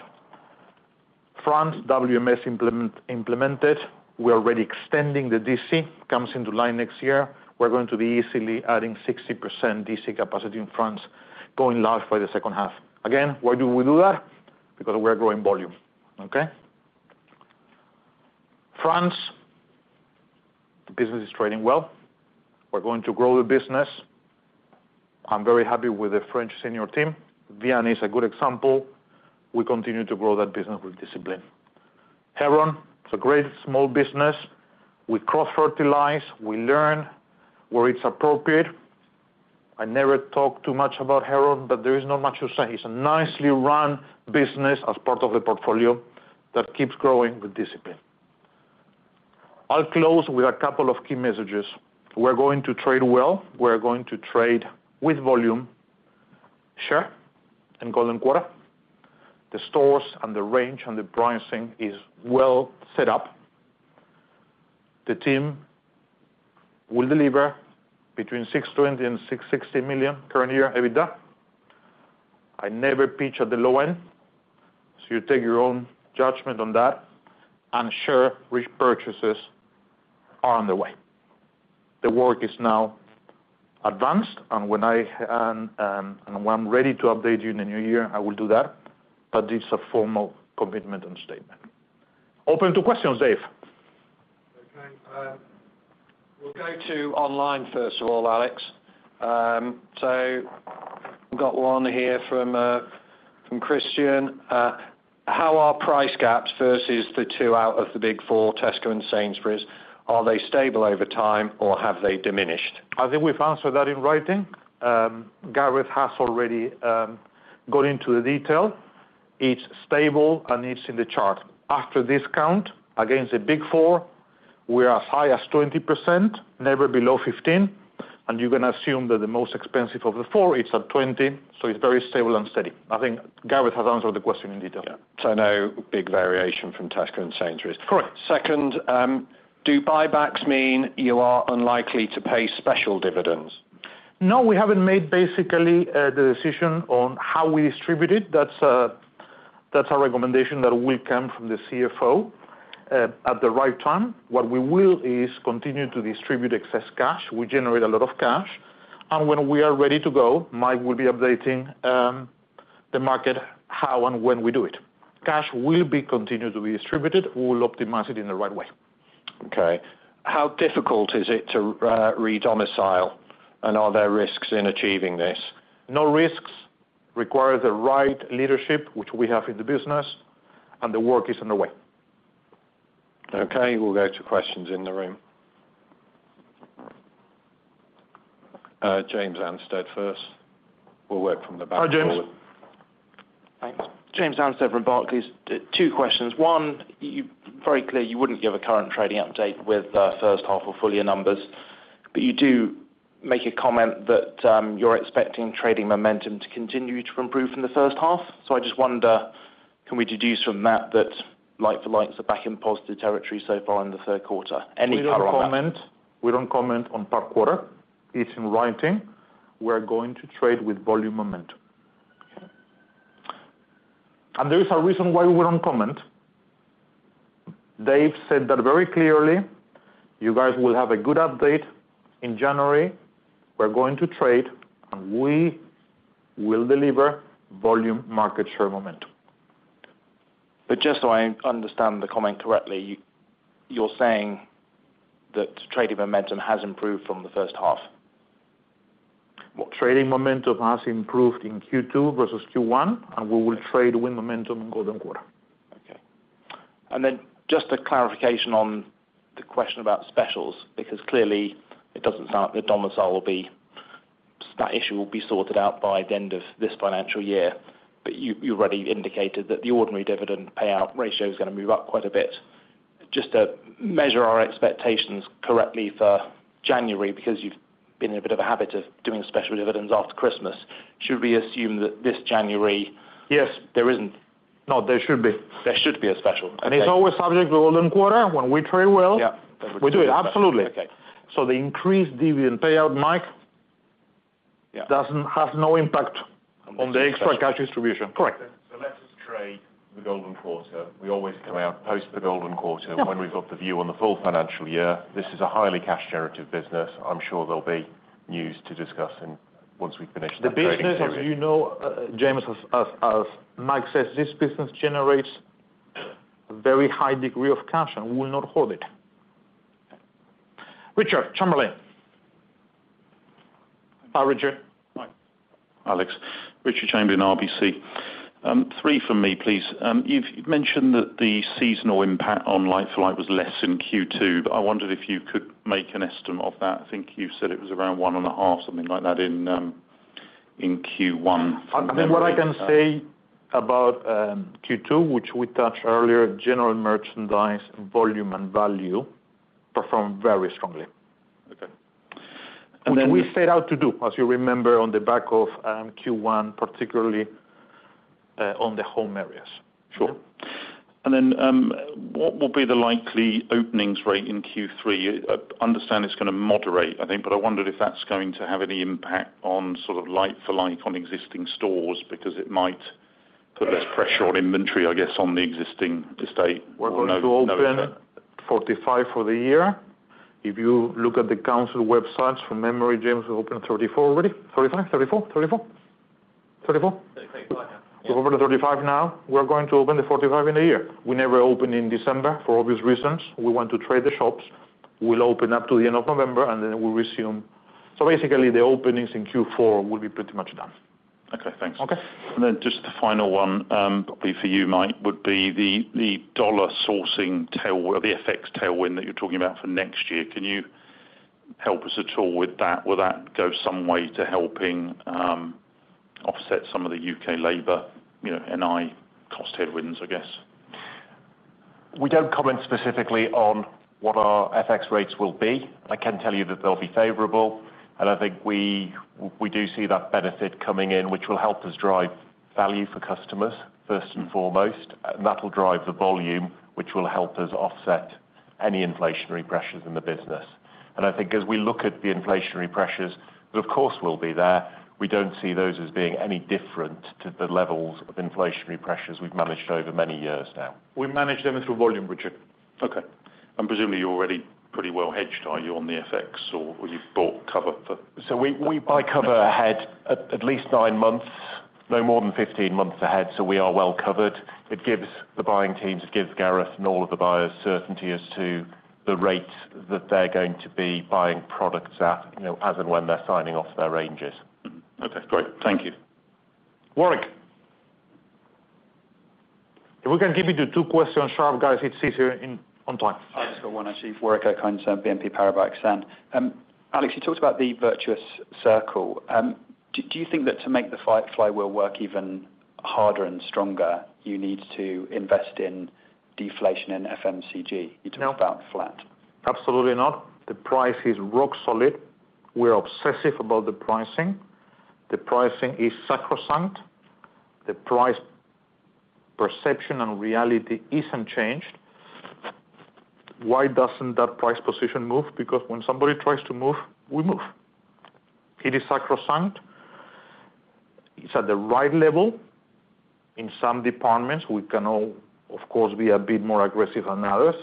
France, WMS implemented. We're already extending the DC. Comes into line next year. We're going to be easily adding 60% DC capacity in France, going large by the second half. Again, why do we do that? Because we're growing volume. Okay? France, the business is trading well. We're going to grow the business. I'm very happy with the French senior team. Vianney is a good example. We continue to grow that business with discipline. Heron, it's a great small business. We cross-fertilize. We learn where it's appropriate. I never talk too much about Heron, but there is not much to say. It's a nicely run business as part of the portfolio that keeps growing with discipline. I'll close with a couple of key messages. We're going to trade well. We're going to trade with volume. Share and golden quarter. The stores and the range and the pricing is well set up. The team will deliver between 620 million and 660 million current year. Every day. I never pitch at the low end. So you take your own judgment on that. And share repurchases are on the way. The work is now advanced. And when I'm ready to update you in the new year, I will do that. But it's a formal commitment and statement. Open to questions, Dave. Okay. We'll go to online first of all, Alex. So we've got one here from Christian. How are price gaps versus the two out of the big four, Tesco and Sainsbury's? Are they stable over time or have they diminished? I think we've answered that in writing. Gareth has already gone into the detail. It's stable and it's in the chart. After discount against the big four, we're as high as 20%, never below 15%. And you're going to assume that the most expensive of the four, it's at 20%. So it's very stable and steady. I think Gareth has answered the question in detail. Yeah. So no big variation from Tesco and Sainsbury's. Correct. Second, do buybacks mean you are unlikely to pay special dividends? No, we haven't made basically the decision on how we distribute it. That's a recommendation that will come from the CFO at the right time. What we will is continue to distribute excess cash. We generate a lot of cash. And when we are ready to go, Mike will be updating the market how and when we do it. Cash will be continued to be distributed. We will optimize it in the right way. Okay. How difficult is it to redomicile? Are there risks in achieving this? No risks. Requires the right leadership, which we have in the business. And the work is underway. Okay. We'll go to questions in the room. James Anstead first. We'll work from the back. Hi, James. Thanks. James Anstead from Barclays. Two questions. One, very clear you wouldn't give a current trading update with first half or full year numbers. But you do make a comment that you're expecting trading momentum to continue to improve in the first half. So I just wonder, can we deduce from that that like-for-likes are back in positive territory so far in the third quarter? Any comment on that? We don't comment. We don't comment on per quarter. It's in writing. We're going to trade with volume momentum. And there is a reason why we don't comment. Dave said that very clearly. You guys will have a good update in January. We're going to trade. And we will deliver volume market share momentum. But just so I understand the comment correctly, you're saying that trading momentum has improved from the first half? Trading momentum has improved in Q2 versus Q1. And we will trade with momentum in Golden Quarter. Okay. And then just a clarification on the question about specials, because clearly it doesn't sound like the domicile issue will be sorted out by the end of this financial year. But you already indicated that the ordinary dividend payout ratio is going to move up quite a bit. Just to measure our expectations correctly for January, because you've been in a bit of a habit of doing special dividends after Christmas, should we assume that this January? Yes, there isn't. No, there should be. There should be a special. It's always subject to Golden Quarter when we trade well. We do it. Absolutely. Okay. So the increased dividend payout, Mike, has no impact on the extra cash distribution. Correct. So let us trade the Golden Quarter. We always come out post the Golden Quarter when we've got the view on the full financial year. This is a highly cash-generative business. I'm sure there'll be news to discuss once we finish the business. The business, as you know, James, as Mike says, this business generates a very high degree of cash and will not hold it. Richard Chamberlain. Hi, Richard. Hi, Alex. Richard Chamberlain, RBC. Three from me, please. You've mentioned that the seasonal impact on like-for-like was less in Q2, but I wondered if you could make an estimate of that. I think you said it was around one and a half, something like that, in Q1. I think what I can say about Q2, which we touched earlier, general merchandise, volume, and value performed very strongly. Okay. And then we set out to do, as you remember, on the back of Q1, particularly on the home areas. Sure. And then what will be the likely openings rate in Q3? I understand it's going to moderate, I think, but I wondered if that's going to have any impact on sort of like for like on existing stores because it might put less pressure on inventory, I guess, on the existing estate? We're going to open 45 for the year. If you look at the council websites from memory, James, we opened 34 already. 35? 34? 34? 34? 35 We're opening 35 now. We're going to open the 45 in a year. We never open in December for obvious reasons. We want to trade the shops. We'll open up to the end of November, and then we resume. So basically, the openings in Q4 will be pretty much done. Okay. Thanks. And then just the final one, probably for you, Mike, would be the dollar sourcing tailwind or the FX tailwind that you're talking about for next year. Can you help us at all with that? Will that go some way to helping offset some of the U.K. labor and wage cost headwinds, I guess? We don't comment specifically on what our FX rates will be. I can tell you that they'll be favorable. And I think we do see that benefit coming in, which will help us drive value for customers first and foremost. And that'll drive the volume, which will help us offset any inflationary pressures in the business. And I think as we look at the inflationary pressures, that of course will be there. We don't see those as being any different to the levels of inflationary pressures we've managed over many years now. We manage them through volume, Richard. Okay. And presumably, you're already pretty well hedged, are you, on the FX, or you've bought cover for? So we buy cover ahead at least nine months, no more than 15 months ahead. So we are well covered. It gives the buying teams, it gives Gareth and all of the buyers certainty as to the rate that they're going to be buying products at as and when they're signing off their ranges. Okay. Great. Thank you. Warwick. If we can give you the two questions sharp, guys, it's easier on time. I just got one, actually. Warwick from BNP Paribas Exane. Alex, you talked about the virtuous circle. Do you think that to make the flywheel work even harder and stronger, you need to invest in deflation in FMCG? You talked about flat. Absolutely not. The price is rock solid. We're obsessive about the pricing. The pricing is sacrosanct. The price perception and reality isn't changed. Why doesn't that price position move? Because when somebody tries to move, we move. It is sacrosanct. It's at the right level. In some departments, we can all, of course, be a bit more aggressive than others.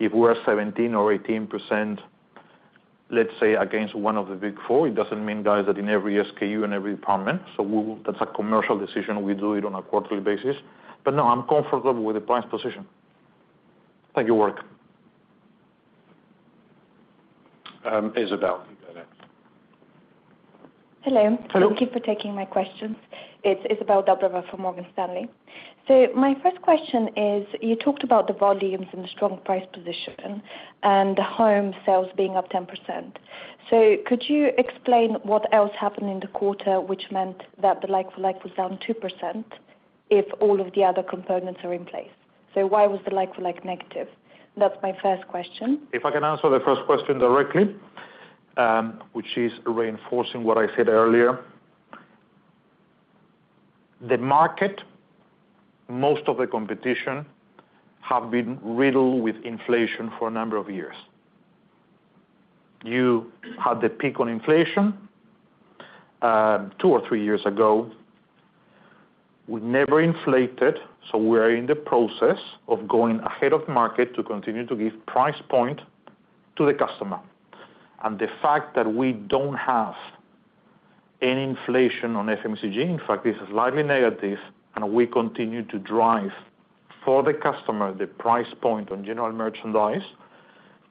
If we're 17% or 18%, let's say, against one of the big four, it doesn't mean, guys, that in every SKU and every department. So that's a commercial decision. We do it on a quarterly basis. But no, I'm comfortable with the price position. Thank you, Warwick. Izabel, you go next. Hello. Thank you for taking my questions. It's Izabel Dobreva from Morgan Stanley. So my first question is, you talked about the volumes and the strong price position and the home sales being up 10%. So could you explain what else happened in the quarter, which meant that the like for like was down 2% if all of the other components are in place? So why was the like for like negative? That's my first question. If I can answer the first question directly, which is reinforcing what I said earlier, the market, most of the competition have been riddled with inflation for a number of years. You had the peak on inflation two or three years ago. We never inflated. So we're in the process of going ahead of market to continue to give price point to the customer. The fact that we don't have any inflation on FMCG, in fact, it's slightly negative, and we continue to drive for the customer the price point on general merchandise,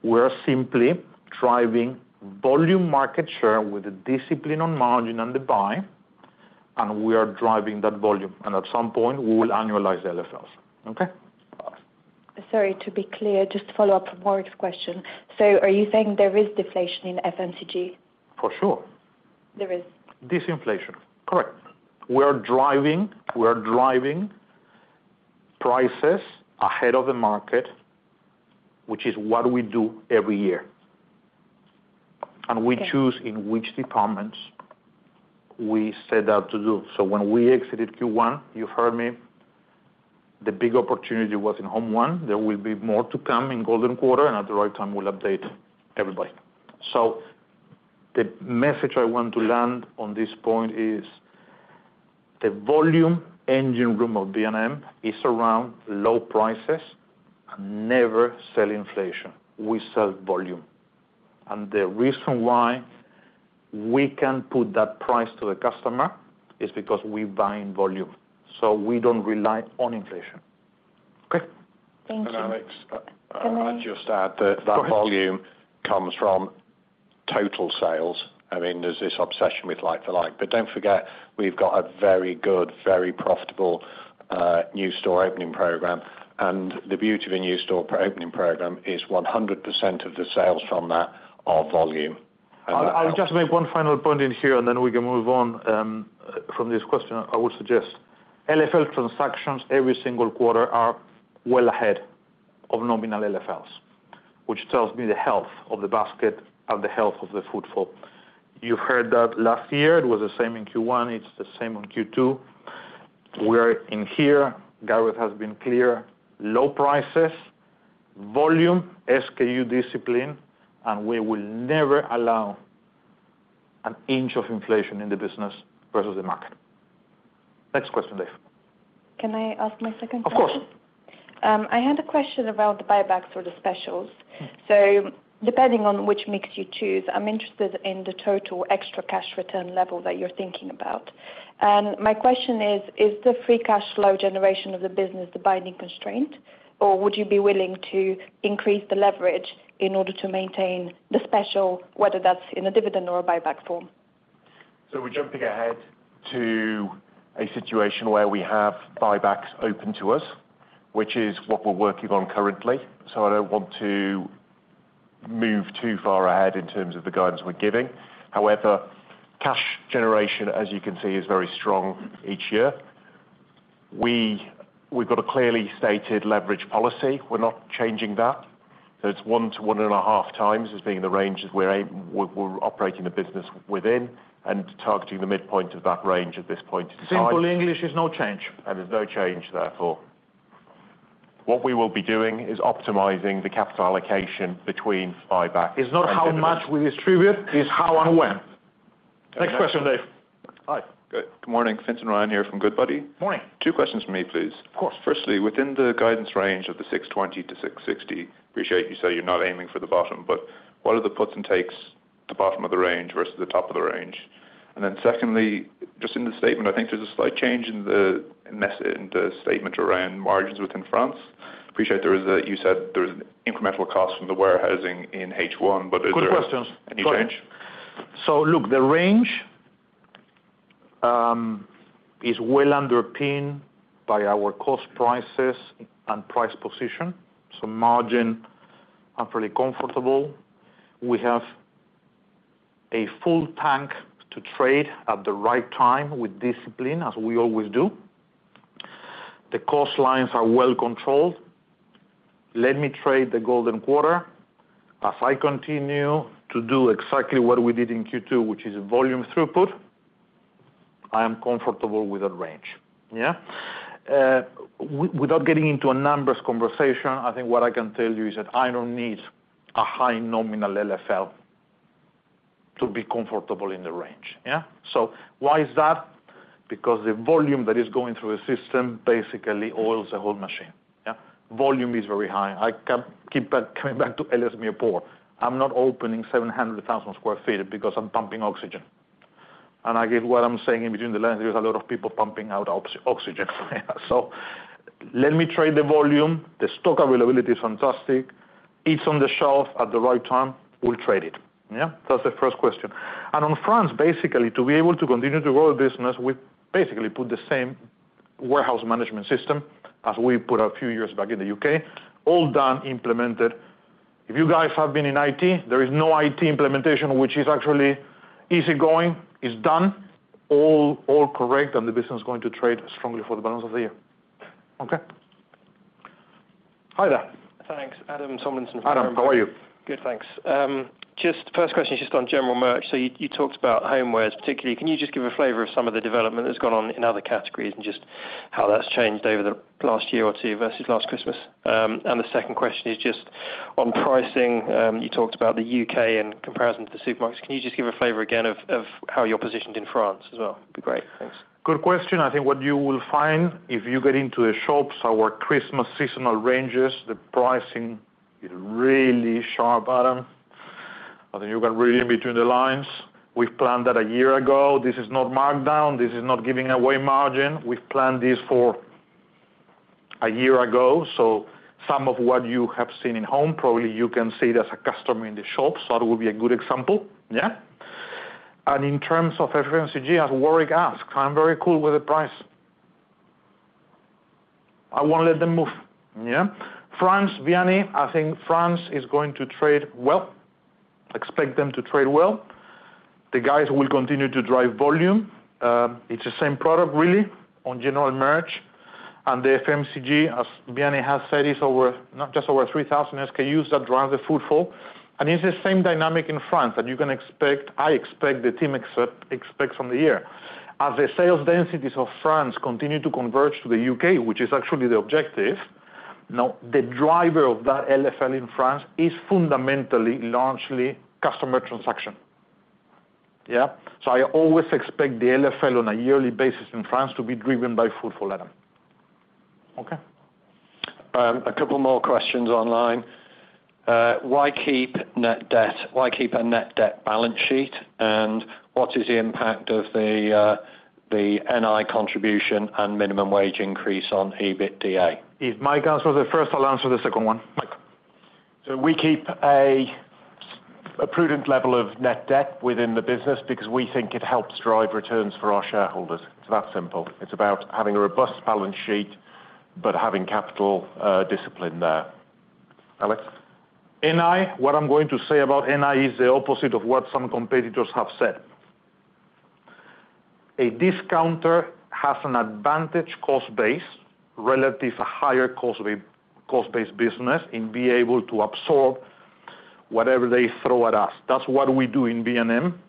we're simply driving volume market share with the discipline on margin and the buy, and we are driving that volume. And at some point, we will annualize the LFLs. Okay? Sorry, to be clear, just to follow up from Warwick's question. So are you saying there is deflation in FMCG? For sure. There is. Disinflation. Correct. We are driving prices ahead of the market, which is what we do every year. And we choose in which departments we set out to do. So when we exited Q1, you've heard me, the big opportunity was in home one. There will be more to come in golden quarter. And at the right time, we'll update everybody. The message I want to land on this point is the volume engine room of B&M is around low prices and never sell inflation. We sell volume. The reason why we can put that price to the customer is because we buy in volume. We don't rely on inflation. Okay? Thank you. Alex, I'll just add that volume comes from total sales. I mean, there's this obsession with like for like. Don't forget, we've got a very good, very profitable new store opening program. The beauty of a new store opening program is 100% of the sales from that are volume. That's why. I would just make one final point in here, and then we can move on from this question. I would suggest LFL transactions every single quarter are well ahead of nominal LFLs, which tells me the health of the basket and the health of the footfall. You've heard that last year. It was the same in Q1. It's the same in Q2. We're in here. Gareth has been clear. Low prices, volume, SKU discipline, and we will never allow an inch of inflation in the business versus the market. Next question, Dave. Can I ask my second question? Of course. I had a question around the buybacks or the specials. So depending on which mix you choose, I'm interested in the total extra cash return level that you're thinking about. My question is, is the free cash flow generation of the business the binding constraint, or would you be willing to increase the leverage in order to maintain the special, whether that's in a dividend or a buyback form? We're jumping ahead to a situation where we have buybacks open to us, which is what we're working on currently. I don't want to move too far ahead in terms of the guidance we're giving. However, cash generation, as you can see, is very strong each year. We've got a clearly stated leverage policy. We're not changing that. It's one to one and 0.5x as being the range that we're operating the business within and targeting the midpoint of that range at this point in time. Simple English is no change. There's no change, therefore. What we will be doing is optimizing the capital allocation between buyback and distribution. It's not how much we distribute. It's how and when. Next question, Dave. Hi. Good morning. Fintan Ryan here from Goodbody. Morning. Two questions for me, please. Of course. Firstly, within the guidance range of the 620 to 660, appreciate you say you're not aiming for the bottom, but what are the puts and takes at the bottom of the range versus the top of the range? And then secondly, just in the statement, I think there's a slight change in the statement around margins within France. Appreciate there is a, you said there is an incremental cost from the warehousing in H1, but is there any change? So look, the range is well underpinned by our cost prices and price position. So margins are fairly comfortable. We have a full tank to trade at the right time with discipline, as we always do. The cost lines are well controlled. Let me trade the golden quarter. As I continue to do exactly what we did in Q2, which is volume throughput, I am comfortable with that range. Yeah? Without getting into a numbers conversation, I think what I can tell you is that I don't need a high nominal LFL to be comfortable in the range. Yeah? So why is that? Because the volume that is going through the system basically oils the whole machine. Yeah? Volume is very high. I keep coming back to LFL mix poorer. I'm not opening 700,000 sq ft because I'm pumping OpEx. And I get what I'm saying in between the lines. There's a lot of people pumping out OpEx. So let me trade the volume. The stock availability is fantastic. It's on the shelf at the right time. We'll trade it. Yeah? That's the first question, and on France, basically, to be able to continue to grow the business, we basically put the same warehouse management system as we put a few years back in the U.K., all done, implemented. If you guys have been in IT, there is no IT implementation, which is actually easygoing. It's done. All correct, and the business is going to trade strongly for the balance of the year. Okay? Hi there. Thanks. Adam Tomlinson from Panmure Liberum. Adam, how are you? Good, thanks. Just first question is just on general merch. So you talked about homewares, particularly. Can you just give a flavor of some of the development that's gone on in other categories and just how that's changed over the last year or two versus last Christmas? The second question is just on pricing. You talked about the U.K. in comparison to the supermarkets. Can you just give a flavor again of how you're positioned in France as well? It'd be great. Thanks. Good question. I think what you will find if you get into the shops our Christmas seasonal ranges, the pricing is really sharp, Adam. I think you can read in between the lines. We've planned that a year ago. This is not markdown. This is not giving away margin. We've planned this for a year ago. So some of what you have seen in home, probably you can see it as a customer in the shop. So that will be a good example. Yeah? And in terms of FMCG, as Warwick asked, I'm very cool with the price. I won't let them move. Yeah? France, Vianney, I think France is going to trade well. Expect them to trade well. The guys will continue to drive volume. It's the same product, really, on general merch. And the FMCG, as Vianney has said, is not just over 3,000 SKUs. That drives the footfall. And it's the same dynamic in France that you can expect. I expect the team expects on the year. As the sales densities of France continue to converge to the U.K., which is actually the objective, now the driver of that LFL in France is fundamentally, largely customer transaction. Yeah? So I always expect the LFL on a yearly basis in France to be driven by footfall, Adam. Okay. A couple more questions online. Why keep net debt? Why keep a net debt balance sheet? And what is the impact of the NI contribution and minimum wage increase on EBITDA? If Mike answers the first, I'll answer the second one. Mike. So we keep a prudent level of net debt within the business because we think it helps drive returns for our shareholders. It's that simple. It's about having a robust balance sheet but having capital discipline there. Alex? NI, what I'm going to say about NI is the opposite of what some competitors have said. A discounter has an advantage cost-based relative higher cost-based business in being able to absorb whatever they throw at us. That's what we do in B&M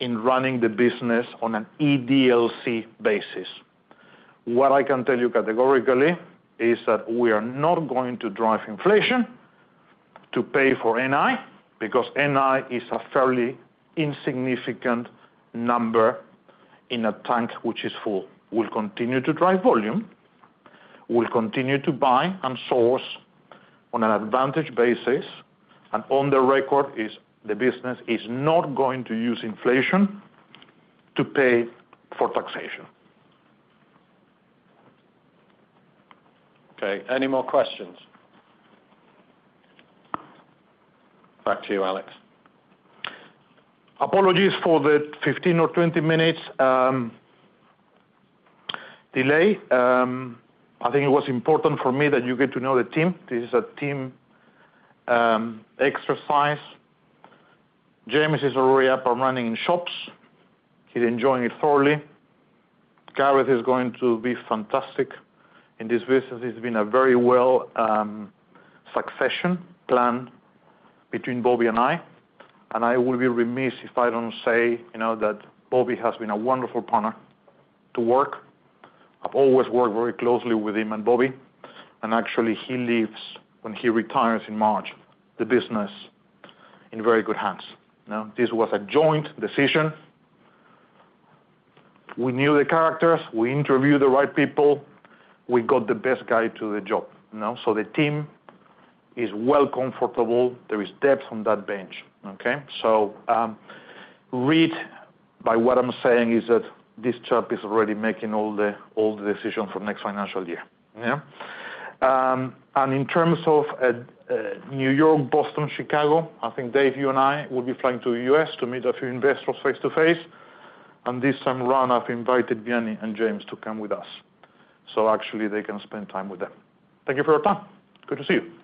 in running the business on an EDLC basis. What I can tell you categorically is that we are not going to drive inflation to pay for NI because NI is a fairly insignificant number in a tank which is full. We'll continue to drive volume. We'll continue to buy and source on an advantage basis. And on the record, the business is not going to use inflation to pay for taxation. Okay. Any more questions? Back to you, Alex. Apologies for the 15 or 20 minutes delay. I think it was important for me that you get to know the team. This is a team exercise. James is already up and running in shops. He's enjoying it thoroughly. Gareth is going to be fantastic in this business. It's been a very well succession plan between Bobby and I. And I will be remiss if I don't say that Bobby has been a wonderful partner to work. I've always worked very closely with him and Bobby. And actually, he leaves when he retires in March, the business in very good hands. This was a joint decision. We knew the characters. We interviewed the right people. We got the best guy to the job. So the team is well comfortable. There is depth on that bench. Okay? So, what I'm saying is that this chap is already making all the decisions for next financial year. Yeah? And in terms of New York, Boston, Chicago, I think Dave, you and I will be flying to the U.S. to meet a few investors face-to-face. And this time around, I've invited Vianney and James to come with us. So actually, they can spend time with them. Thank you for your time. Good to see you.